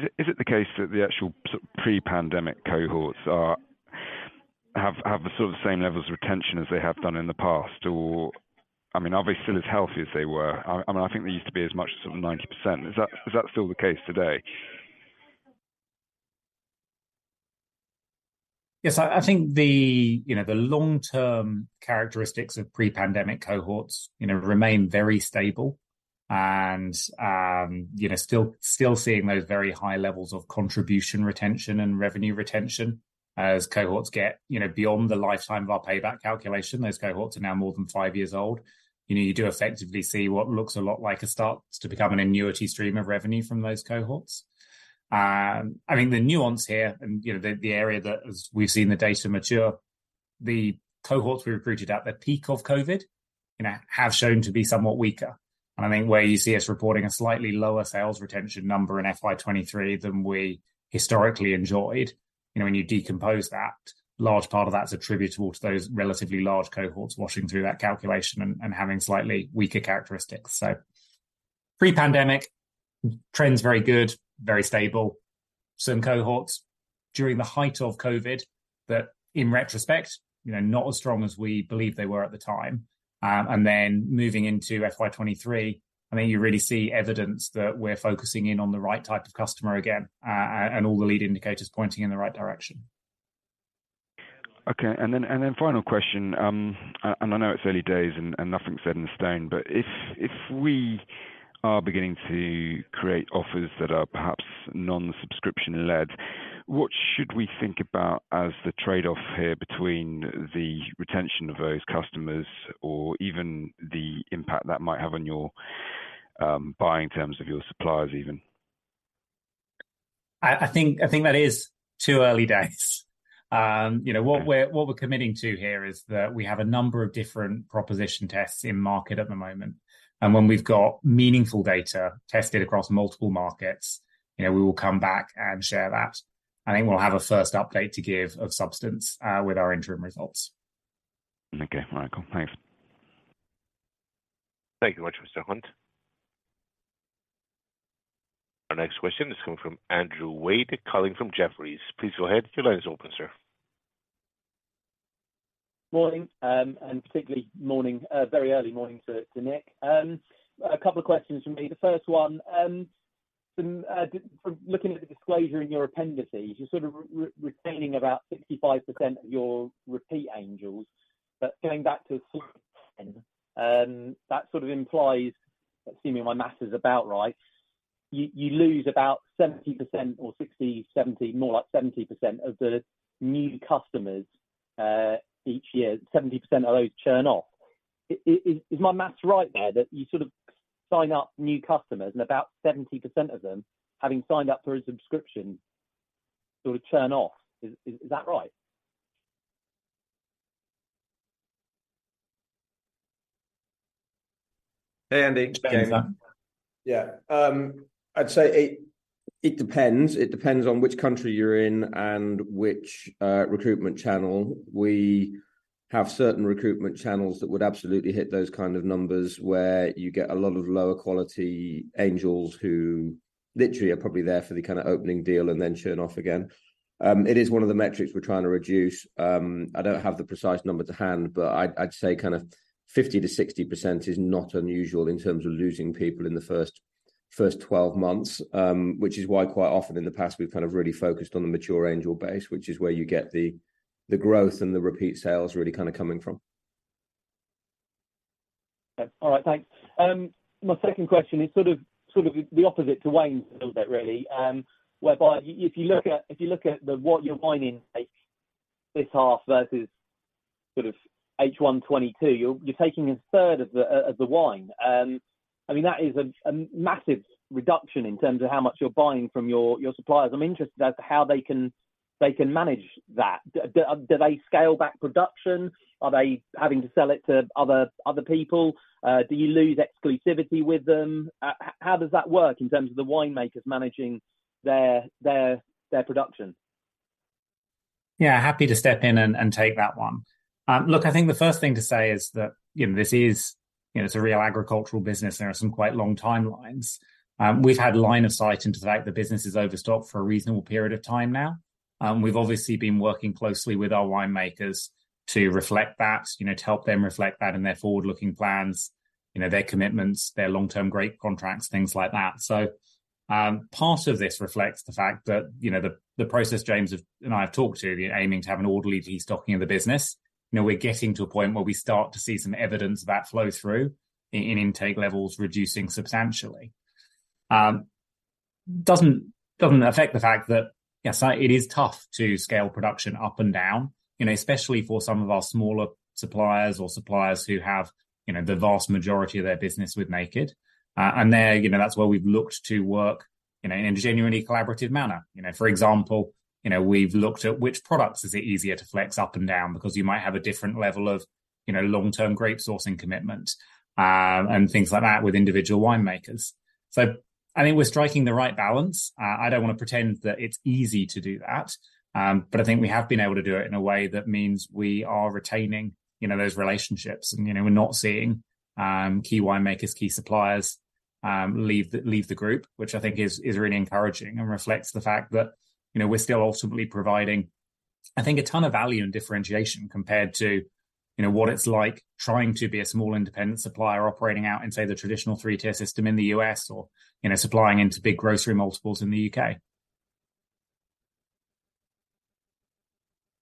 it, is it the case that the actual pre-pandemic cohorts have the sort of same levels of retention as they have done in the past? Or, I mean, are they still as healthy as they were? I mean, I think they used to be as much as sort of 90%. Is that, is that still the case today? Yes, I think the, you know, the long-term characteristics of pre-pandemic cohorts, you know, remain very stable. And, you know, still seeing those very high levels of contribution retention and revenue retention as cohorts get, you know, beyond the lifetime of our payback calculation. Those cohorts are now more than five years old. You know, you do effectively see what looks a lot like a start to become an annuity stream of revenue from those cohorts. I mean, the nuance here and, you know, the area that as we've seen the data mature, the cohorts we recruited at the peak of COVID, you know, have shown to be somewhat weaker. And I think where you see us reporting a slightly lower sales retention number in FY23 than we historically enjoyed, you know, when you decompose that, large part of that is attributable to those relatively large cohorts washing through that calculation and having slightly weaker characteristics. So pre-pandemic, trend's very good, very stable. Some cohorts during the height of COVID, but in retrospect, you know, not as strong as we believed they were at the time. And then moving into FY23, I mean, you really see evidence that we're focusing in on the right type of customer again, and all the lead indicators pointing in the right direction. Okay, and then final question, and I know it's early days and nothing's set in stone, but if we are beginning to create offers that are perhaps non-subscription led, what should we think about as the trade-off here between the retention of those customers or even the impact that might have on your buying terms of your suppliers, even? I think that is too early days. You know, what we're- Okay. What we're committing to here is that we have a number of different proposition tests in market at the moment, and when we've got meaningful data tested across multiple markets, you know, we will come back and share that. I think we'll have a first update to give of substance with our interim results. Okay. Nick, thanks. Thank you very much, Mr. Hunt. Our next question is coming from Andrew Wade, calling from Jefferies. Please go ahead. Your line is open, sir. Morning, and particularly morning, very early morning to Nick. A couple of questions from me. The first one, from looking at the disclosure in your appendices, you're sort of retaining about 65% of your repeat Angels. But going back to, that sort of implies, assuming my math is about right, you lose about 70% or 60, 70, more like 70% of the new customers, each year, 70% of those churn off. Is my math right there, that you sort of sign up new customers and about 70% of them, having signed up for a subscription, sort of churn off? Is that right? Hey, Andy. Thanks, sir. Yeah. It depends. It depends on which country you're in and which recruitment channel. We have certain recruitment channels that would absolutely hit those kind of numbers, where you get a lot of lower quality Angels who literally are probably there for the kinda opening deal and then churn off again. It is one of the metrics we're trying to reduce. I don't have the precise number to hand, but I'd say kind of 50%-60% is not unusual in terms of losing people in the first 12 months. Which is why quite often in the past, we've kind of really focused on the mature Angel base, which is where you get the growth and the repeat sales really kinda coming from. Okay. All right. Thanks. My second question is sort of the opposite to Wayne's a little bit, really, whereby if you look at what your wine intake this half versus sort of H1 2022, you're taking a third of the wine. I mean, that is a massive reduction in terms of how much you're buying from your suppliers. I'm interested as to how they can manage that. Do they scale back production? Are they having to sell it to other people? Do you lose exclusivity with them? How does that work in terms of the winemakers managing their production? Yeah, happy to step in and, and take that one. Look, I think the first thing to say is that, you know, this is, you know, it's a real agricultural business. There are some quite long timelines. We've had line of sight into the fact the business is overstocked for a reasonable period of time now. We've obviously been working closely with our winemakers to reflect that, you know, to help them reflect that in their forward-looking plans, you know, their commitments, their long-term grape contracts, things like that. So, part of this reflects the fact that, you know, the, the process James have, and I have talked to, aiming to have an orderly destocking of the business. You know, we're getting to a point where we start to see some evidence of that flow through in intake levels, reducing substantially. Doesn't affect the fact that, yes, it is tough to scale production up and down, you know, especially for some of our smaller suppliers or suppliers who have, you know, the vast majority of their business with Naked. And there, you know, that's where we've looked to work, you know, in a genuinely collaborative manner. You know, for example, you know, we've looked at which products is it easier to flex up and down because you might have a different level of, you know, long-term grape sourcing commitment, and things like that with Individual Winemakers. So I think we're striking the right balance. I don't wanna pretend that it's easy to do that, but I think we have been able to do it in a way that means we are retaining, you know, those relationships. You know, we're not seeing key winemakers, key suppliers leave the group, which I think is really encouraging and reflects the fact that, you know, we're still ultimately providing, I think, a ton of value and differentiation compared to, you know, what it's like trying to be a small independent supplier operating out in, say, the traditional three-tier system in the U.S., or, you know, supplying into big grocery multiples in the U.K.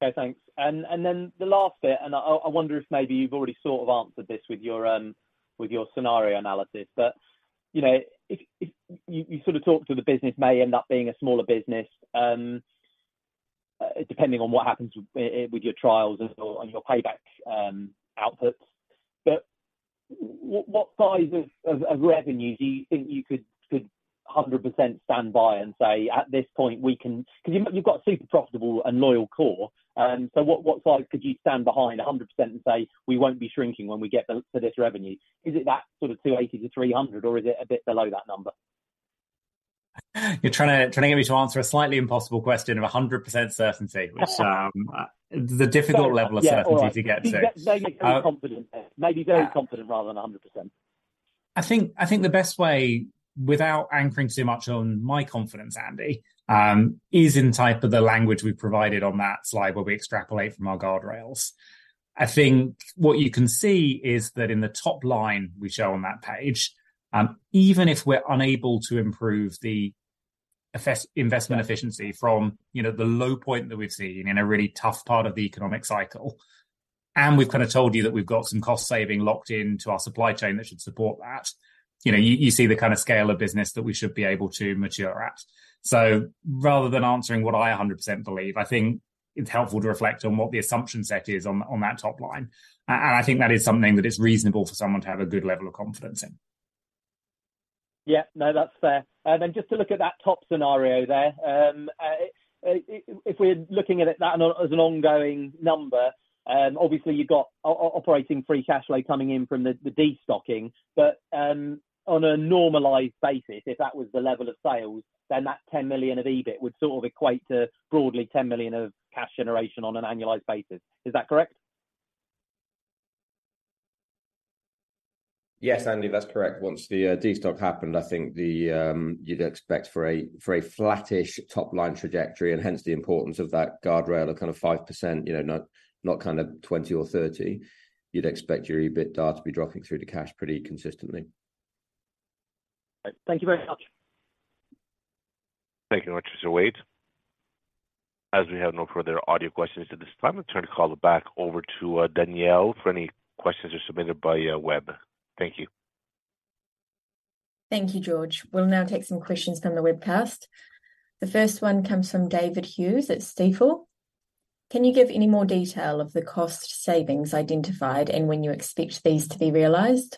Okay, thanks. And then the last bit, and I wonder if maybe you've already sort of answered this with your scenario analysis. But you know, if you sort of talked to the business may end up being a smaller business, depending on what happens with your trials and your payback outputs. But what size of revenue do you think you could 100% stand by and say, "At this point we can." Because you've got a super profitable and loyal core, so what size could you stand behind 100% and say, "We won't be shrinking when we get to this revenue?" Is it that sort of 280-300, or is it a bit below that number? You're trying to get me to answer a slightly impossible question of 100% certainty, which, the difficult level- Sorry, yeah of certainty to get to. Maybe very confident then. Maybe very confident rather than 100%. I think, I think the best way, without anchoring too much on my confidence, Andy, is in the type of the language we've provided on that slide, where we extrapolate from our guardrails. I think what you can see is that in the top line we show on that page, even if we're unable to improve the effective investment efficiency from, you know, the low point that we've seen in a really tough part of the economic cycle. And we've kind of told you that we've got some cost-saving locked into our supply chain that should support that. You know, you see the kind of scale of business that we should be able to mature at. So rather than answering what I 100% believe, I think it's helpful to reflect on what the assumption set is on, on that top line. I think that is something that is reasonable for someone to have a good level of confidence in. Yeah, no, that's fair. Then just to look at that top scenario there, if we're looking at it, that as an ongoing number, obviously, you've got operating free cash flow coming in from the destocking, but on a normalized basis, if that was the level of sales, then that 10 million of EBIT would sort of equate to broadly 10 million of cash generation on an annualized basis. Is that correct? Yes, Andy, that's correct. Once the destock happened, I think you'd expect for a flattish top line trajectory, and hence the importance of that guardrail of kind of 5%, you know, not, not kind of 20 or 30, you'd expect your EBITDA to be dropping through to cash pretty consistently. Thank you very much. Thank you very much, Sir Wade. As we have no further audio questions at this time, I'll turn the call back over to Danielle for any questions that are submitted by web. Thank you. Thank you, George. We'll now take some questions from the webcast. The first one comes from David Hughes at Stifel. Can you give any more detail of the cost savings identified and when you expect these to be realized?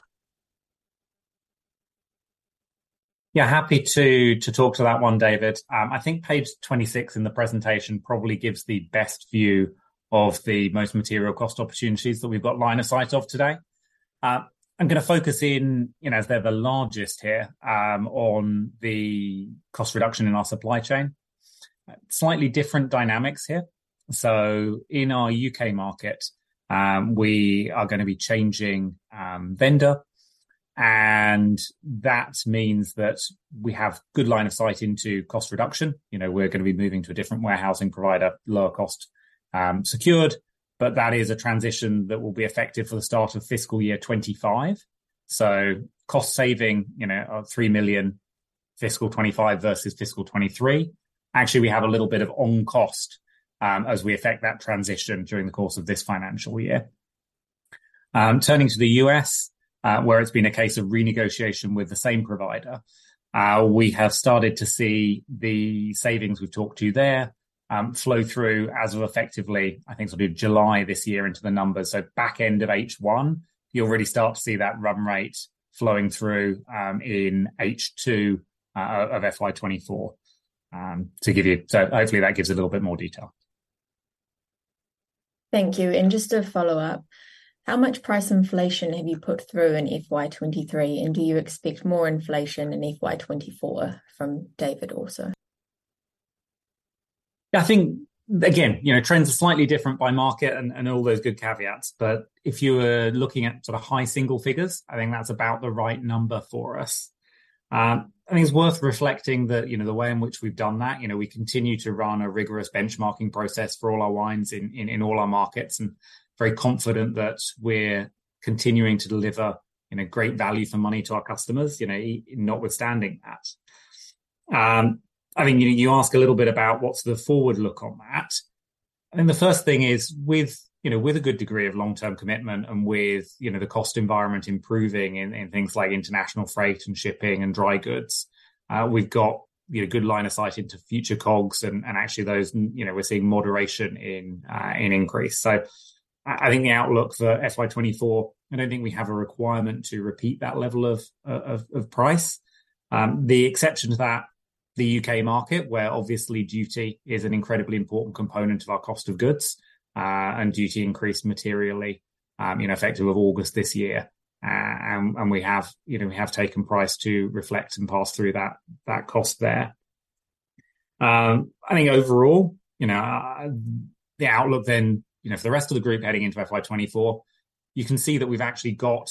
Yeah, happy to talk to that one, David. I think page 26 in the presentation probably gives the best view of the most material cost opportunities that we've got line of sight of today. I'm gonna focus in, you know, as they're the largest here, on the cost reduction in our supply chain. Slightly different dynamics here. So in our U.K. market, we are gonna be changing vendor, and that means that we have good line of sight into cost reduction. You know, we're gonna be moving to a different warehousing provider, lower cost, secured, but that is a transition that will be effective for the start of fiscal year 2025. So cost saving, you know, of 3 million fiscal 2025 versus fiscal 2023. Actually, we have a little bit of on cost as we effect that transition during the course of this financial year. Turning to the US, where it's been a case of renegotiation with the same provider, we have started to see the savings we've talked to you there flow through as of effectively, I think it'll be July this year into the numbers. So back end of H1, you'll really start to see that run rate flowing through in H2 of FY24 to give you. So hopefully, that gives a little bit more detail. Thank you. And just a follow-up: How much price inflation have you put through in FY23, and do you expect more inflation in FY24? From David also. I think, again, you know, trends are slightly different by market and, and all those good caveats, but if you were looking at sort of high single figures, I think that's about the right number for us. I think it's worth reflecting that, you know, the way in which we've done that, you know, we continue to run a rigorous benchmarking process for all our wines in, in, in all our markets, and very confident that we're continuing to deliver, you know, great value for money to our customers, you know, notwithstanding that. I think, you know, you ask a little bit about what's the forward look on that. I think the first thing is with, you know, with a good degree of long-term commitment and with, you know, the cost environment improving in things like international freight and shipping and dry goods, we've got, you know, a good line of sight into future COGS and, and actually those, you know, we're seeing moderation in increase. So I think the outlook for FY24, I don't think we have a requirement to repeat that level of price. The exception to that, the UK market, where obviously duty is an incredibly important component of our cost of goods, and duty increased materially, you know, effective of August this year. And we have, you know, we have taken price to reflect and pass through that cost there. I think overall, you know, the outlook then, you know, for the rest of the group heading into FY24, you can see that we've actually got,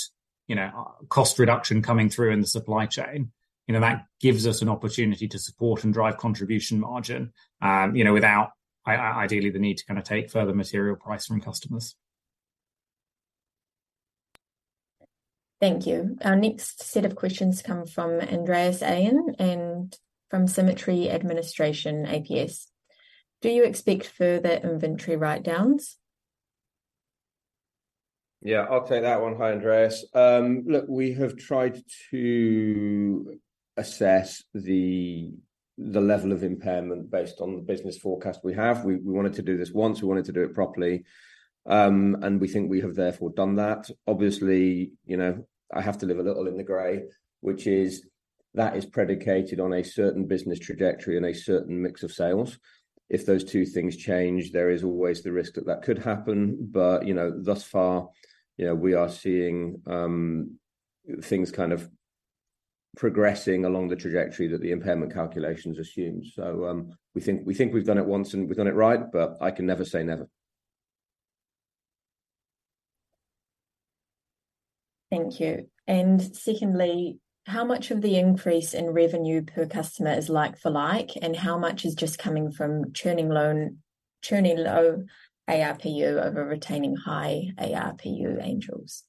you know, cost reduction coming through in the supply chain. You know, that gives us an opportunity to support and drive Contribution Margin, you know, without ideally the need to kinda take further material price from customers. Thank you. Our next set of questions come from Andreas Aaen and from Symmetry Administration ApS. Do you expect further inventory write-downs? Yeah, I'll take that one. Hi, Andreas. Look, we have tried to assess the level of impairment based on the business forecast we have. We wanted to do this once, we wanted to do it properly, and we think we have therefore done that. Obviously, you know, I have to live a little in the gray, which is, that is predicated on a certain business trajectory and a certain mix of sales. If those two things change, there is always the risk that that could happen, but, you know, thus far, you know, we are seeing things kind of progressing along the trajectory that the impairment calculations assume. So, we think we've done it once and we've done it right, but I can never say never. Thank you. And secondly, how much of the increase in revenue per customer is like for like, and how much is just coming from churning low, churning low ARPU over retaining high ARPU Angels?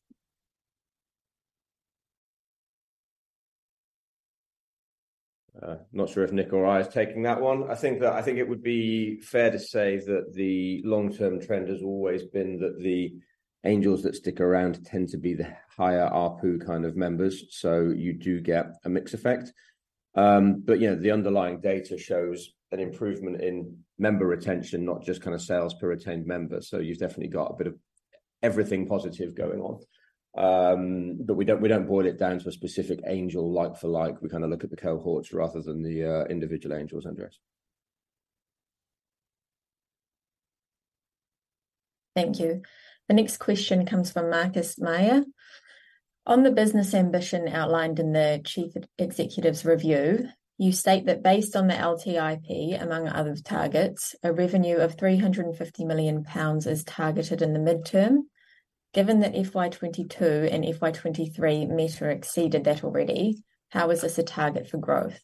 Not sure if Nick or I is taking that one. I think that, I think it would be fair to say that the long-term trend has always been that the Angels that stick around tend to be the higher ARPU kind of members, so you do get a mix effect. But, you know, the underlying data shows an improvement in member retention, not just kind of sales per retained member. So you've definitely got a bit of everything positive going on. But we don't, we don't boil it down to a specific Angel, like for like. We kinda look at the cohorts rather than the individual Angels, Andreas. Thank you. The next question comes from Marcus Meyer: On the business ambition outlined in the Chief Executive's Review, you state that based on the LTIP, among other targets, a revenue of 350 million pounds is targeted in the midterm. Given that FY 2022 and FY 2023 met or exceeded that already, how is this a target for growth?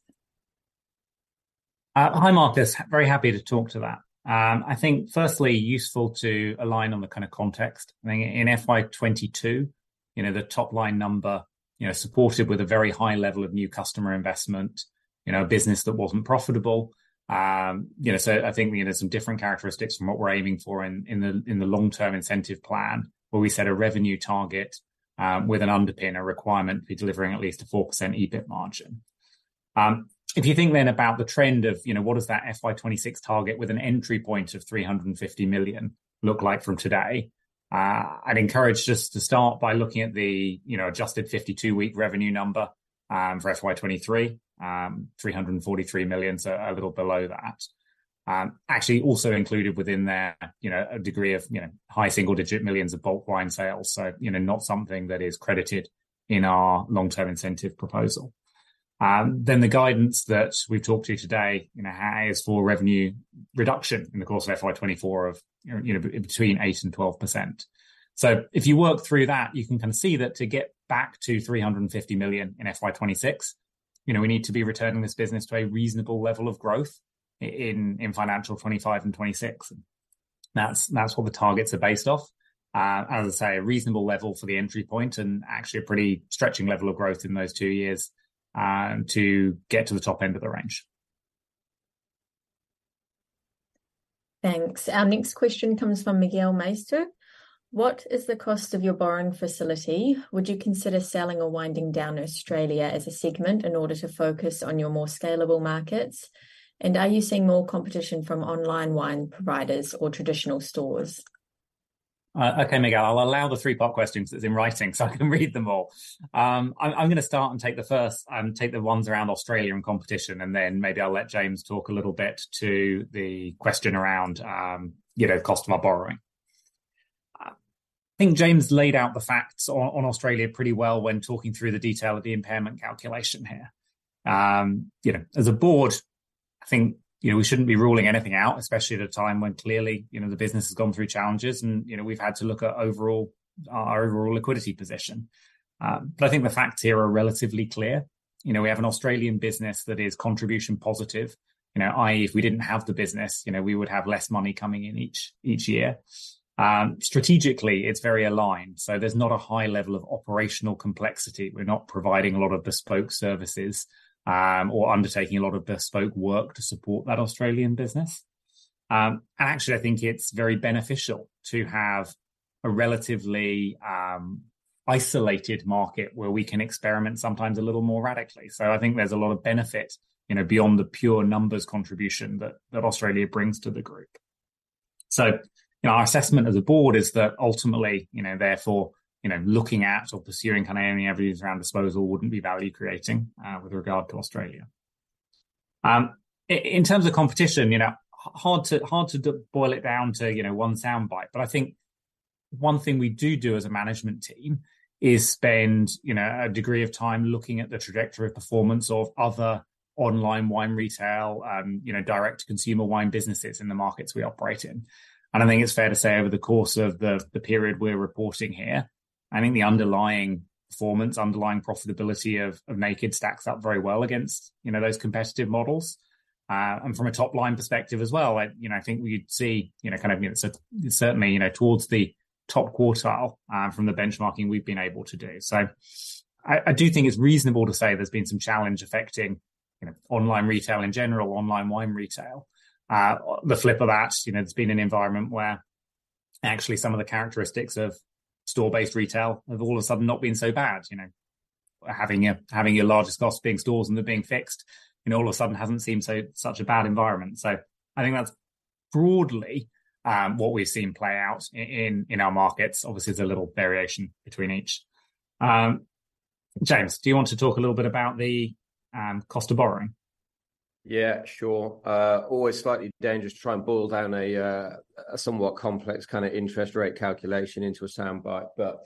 Hi, Marcus. Very happy to talk to that. I think firstly, useful to align on the kind of context. I think in FY 2022, you know, the top-line number, you know, supported with a very high level of new customer investment, you know, a business that wasn't profitable. You know, so I think, you know, some different characteristics from what we're aiming for in, in the, in the Long-Term Incentive Plan, where we set a revenue target, with an underpinning requirement for delivering at least a 4% EBIT margin. If you think then about the trend of, you know, what does that FY 2026 target with an entry point of £350 million look like from today? I'd encourage just to start by looking at the, you know, adjusted 52-week revenue number, for FY 2023. Three hundred forty-three million, so a little below that. Actually, also included within there, you know, a degree of, you know, high single-digit millions of bulk wine sales. You know, not something that is credited in our long-term incentive proposal. The guidance that we've talked to you today has for revenue reduction in the course of FY 2024 of, you know, between 8%-12%. If you work through that, you can kind of see that to get back to 350 million in FY 2026, you know, we need to be returning this business to a reasonable level of growth in financial 2025 and 2026. That's what the targets are based off. As I say, a reasonable level for the entry point and actually a pretty stretching level of growth in those two years, to get to the top end of the range. Thanks. Our next question comes from Miguel Meister: What is the cost of your borrowing facility? Would you consider selling or winding down Australia as a segment in order to focus on your more scalable markets? And are you seeing more competition from online wine providers or traditional stores? Okay, Miguel, I'll allow the three part questions as in writing, so I can read them all. I'm gonna start and take the first, take the ones around Australia and competition, and then maybe I'll let James talk a little bit to the question around, you know, cost of my borrowing. I think James laid out the facts on Australia pretty well when talking through the detail of the impairment calculation here. You know, as a board, I think, you know, we shouldn't be ruling anything out, especially at a time when clearly, you know, the business has gone through challenges and, you know, we've had to look at overall, our overall liquidity position. But I think the facts here are relatively clear. You know, we have an Australian business that is contribution positive. You know, i.e., if we didn't have the business, you know, we would have less money coming in each year. Strategically, it's very aligned, so there's not a high level of operational complexity. We're not providing a lot of bespoke services, or undertaking a lot of bespoke work to support that Australian business. And actually, I think it's very beneficial to have a relatively isolated market where we can experiment sometimes a little more radically. So I think there's a lot of benefit, you know, beyond the pure numbers contribution that Australia brings to the group. So, you know, our assessment as a board is that ultimately, you know, therefore, you know, looking at or pursuing kinda any avenues around disposal wouldn't be value creating with regard to Australia. In terms of competition, you know, hard to boil it down to, you know, one soundbite, but I think one thing we do do as a management team is spend, you know, a degree of time looking at the trajectory of performance of other online wine retail, you know, direct-to-consumer wine businesses in the markets we operate in. And I think it's fair to say, over the course of the period we're reporting here, I think the underlying performance, underlying profitability of Naked stacks up very well against, you know, those competitive models. And from a top-line perspective as well, I, you know, I think we'd see, you know, kind of, you know, certainly, you know, towards the top quartile, from the benchmarking we've been able to do. So I do think it's reasonable to say there's been some challenge affecting, you know, online retail in general, online wine retail. The flip of that, you know, it's been an environment where actually some of the characteristics of store-based retail have all of a sudden not been so bad. You know, having your largest cost being stores and they're being fixed, you know, all of a sudden hasn't seemed so such a bad environment. So I think that's broadly what we've seen play out in our markets. Obviously, there's a little variation between each. James, do you want to talk a little bit about the cost of borrowing? Yeah, sure. Always slightly dangerous to try and boil down a somewhat complex kind of interest rate calculation into a soundbite, but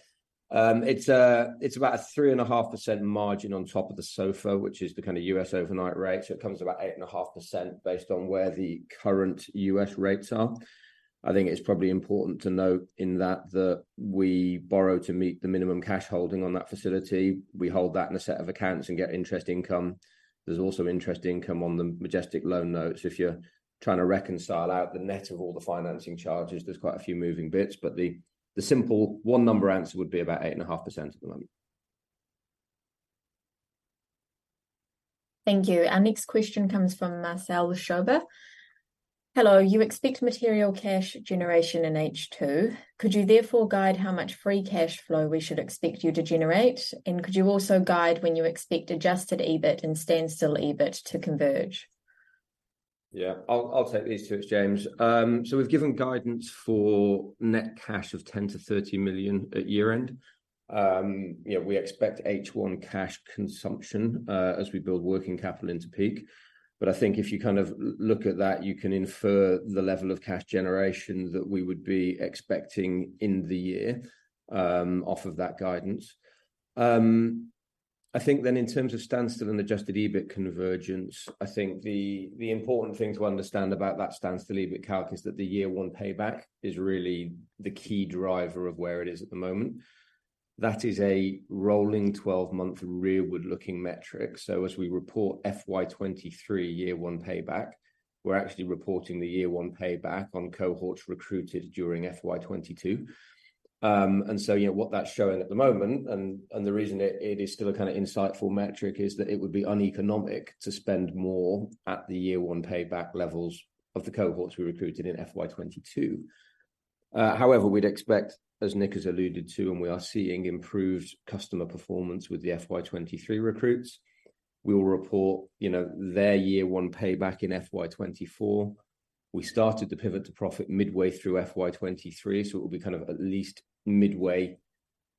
it's about a 3.5% margin on top of the SOFR, which is the kind of U.S. overnight rate. So it comes to about 8.5% based on where the current U.S. rates are. I think it's probably important to note in that that we borrow to meet the minimum cash holding on that facility. We hold that in a set of accounts and get interest income. There's also interest income on the Majestic loan notes. If you're trying to reconcile out the net of all the financing charges, there's quite a few moving bits, but the simple one-number answer would be about 8.5% at the moment. Thank you. Our next question comes from Marcel Stotzel. Hello. You expect material cash generation in H2, could you therefore guide how much free cash flow we should expect you to generate? And could you also guide when you expect Adjusted EBIT and Standstill EBIT to converge? Yeah, I'll take these two, it's James. So we've given guidance for net cash of 10 million-30 million at year-end. You know, we expect H1 cash consumption as we build working capital into peak. But I think if you kind of look at that, you can infer the level of cash generation that we would be expecting in the year off of that guidance. I think then in terms of Standstill and Adjusted EBIT convergence, I think the important thing to understand about that Standstill EBIT calc is that the year one payback is really the key driver of where it is at the moment. That is a rolling 12-month rearward-looking metric. So as we report FY 2023 year one payback, we're actually reporting the year one payback on cohorts recruited during FY 2022. And so, you know, what that's showing at the moment, and the reason it is still a kinda insightful metric, is that it would be uneconomic to spend more at the year one payback levels of the cohorts we recruited in FY 2022. However, we'd expect, as Nick has alluded to, and we are seeing improved customer performance with the FY 2023 recruits. We will report, you know, their year one payback in FY 2024. We started the Pivot to Profit midway through FY 2023, so it will be kind of at least midway.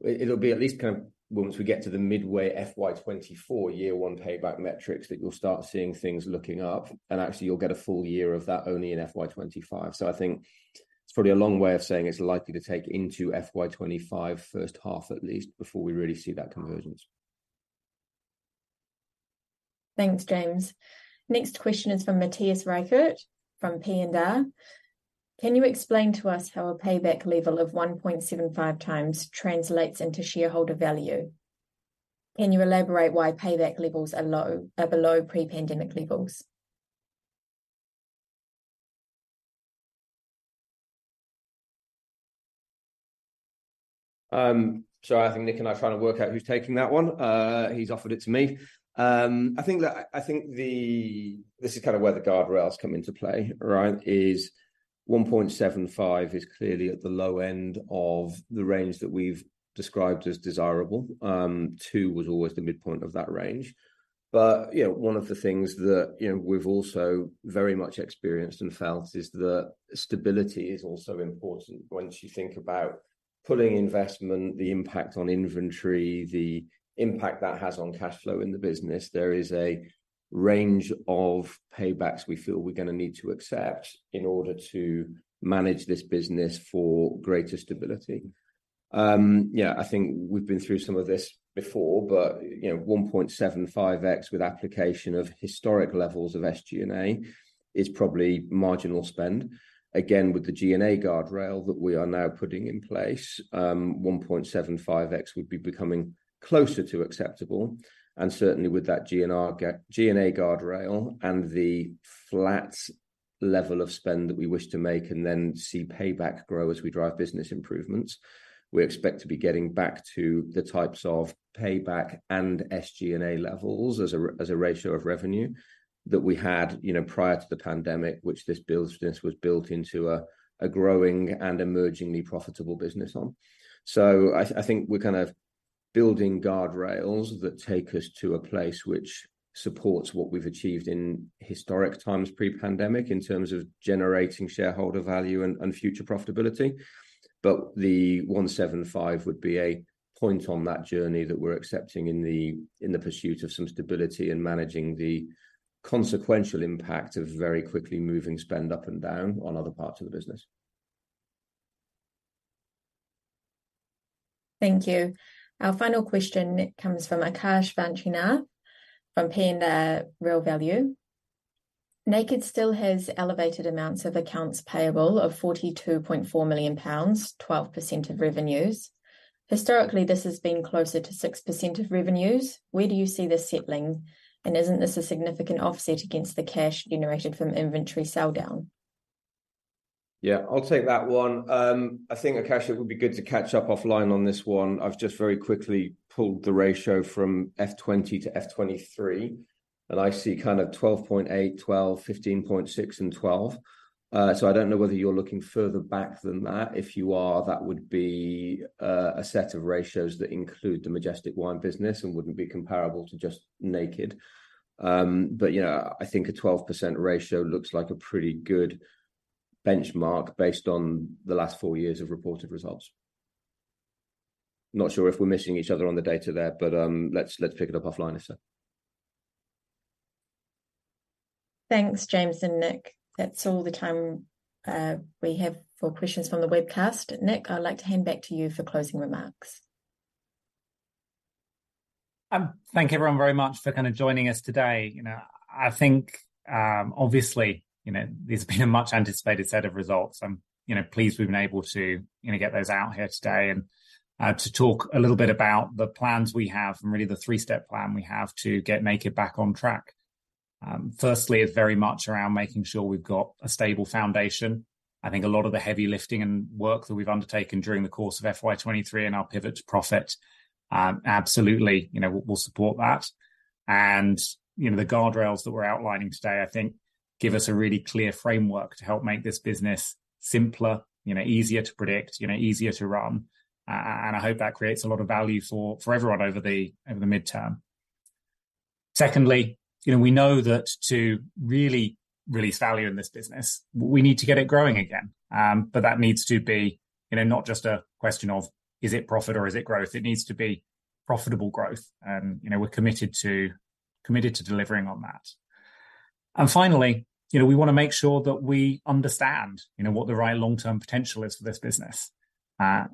It'll be at least kind of once we get to the midway FY 2024 year one payback metrics, that you'll start seeing things looking up, and actually, you'll get a full year of that only in FY 2025. I think it's probably a long way of saying it's likely to take into FY 2025, first half at least, before we really see that convergence. Thanks, James. Next question is from Matthias Reichert, from P&R: Can you explain to us how a payback level of 1.75x translates into shareholder value? Can you elaborate why payback levels are low, are below pre-pandemic levels? So I think Nick and I are trying to work out who's taking that one. He's offered it to me. I think that this is kind of where the guardrails come into play, right? 1.75 is clearly at the low end of the range that we've described as desirable. 2 was always the midpoint of that range. But, you know, one of the things that, you know, we've also very much experienced and felt is that stability is also important. Once you think about pulling investment, the impact on inventory, the impact that has on cash flow in the business, there is a range of paybacks we feel we're gonna need to accept in order to manage this business for greater stability. Yeah, I think we've been through some of this before, but, you know, 1.75x, with application of historic levels of SG&A, is probably marginal spend. Again, with the G&A guardrail that we are now putting in place, 1.75x would be becoming closer to acceptable, and certainly with that G&A guardrail and the flat level of spend that we wish to make, and then see payback grow as we drive business improvements. We expect to be getting back to the types of payback and SG&A levels as a ratio of revenue that we had, you know, prior to the pandemic, which this business was built into a growing and emergingly profitable business on. So I think we're kind of building guardrails that take us to a place which supports what we've achieved in historic times, pre-pandemic, in terms of generating shareholder value and future profitability. But the 175 would be a point on that journey that we're accepting in the pursuit of some stability and managing the consequential impact of very quickly moving spend up and down on other parts of the business. Thank you. Our final question comes from Akash Vanchinath, from Panda Real Value. Naked still has elevated amounts of accounts payable of 42.4 million pounds, 12% of revenues. Historically, this has been closer to 6% of revenues. Where do you see this settling? And isn't this a significant offset against the cash generated from inventory sell-down? Yeah, I'll take that one. I think, Akash, it would be good to catch up offline on this one. I've just very quickly pulled the ratio from FY20 to FY23, and I see kind of 12.8, 12, 15.6, and 12. So I don't know whether you're looking further back than that. If you are, that would be a set of ratios that include the Majestic Wine business and wouldn't be comparable to just Naked. But yeah, I think a 12% ratio looks like a pretty good benchmark based on the last four years of reported results. Not sure if we're missing each other on the data there, but, let's, let's pick it up offline, if so. Thanks, James and Nick. That's all the time we have for questions from the webcast. Nick, I'd like to hand back to you for closing remarks. Thank you, everyone, very much for kind of joining us today. You know, I think, obviously, you know, this has been a much-anticipated set of results. I'm, you know, pleased we've been able to, you know, get those out here today and, to talk a little bit about the plans we have, and really the 3-step plan we have to get Naked back on track. Firstly, it's very much around making sure we've got a stable foundation. I think a lot of the heavy lifting and work that we've undertaken during the course of FY 23 and our Pivot to Profit, absolutely, you know, we'll support that. You know, the guardrails that we're outlining today, I think, give us a really clear framework to help make this business simpler, you know, easier to predict, you know, easier to run. and I hope that creates a lot of value for, for everyone over the, over the midterm. Secondly, you know, we know that to really release value in this business, we need to get it growing again. But that needs to be, you know, not just a question of: Is it profit or is it growth? It needs to be profitable growth. You know, we're committed to, committed to delivering on that. And finally, you know, we wanna make sure that we understand, you know, what the right long-term potential is for this business. I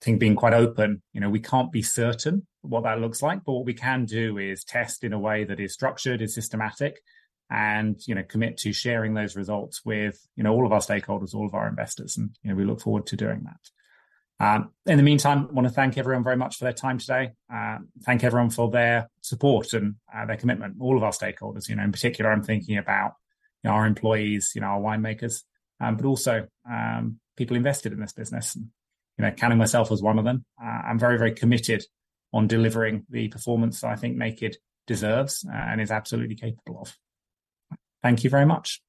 think being quite open, you know, we can't be certain what that looks like, but what we can do is test in a way that is structured, is systematic, and, you know, commit to sharing those results with, you know, all of our stakeholders, all of our investors, and, you know, we look forward to doing that. In the meantime, I wanna thank everyone very much for their time today. Thank everyone for their support and their commitment, all of our stakeholders. You know, in particular, I'm thinking about, you know, our employees, you know, our winemakers, but also, people invested in this business. You know, counting myself as one of them. I'm very, very committed on delivering the performance that I think Naked deserves, and is absolutely capable of. Thank you very much.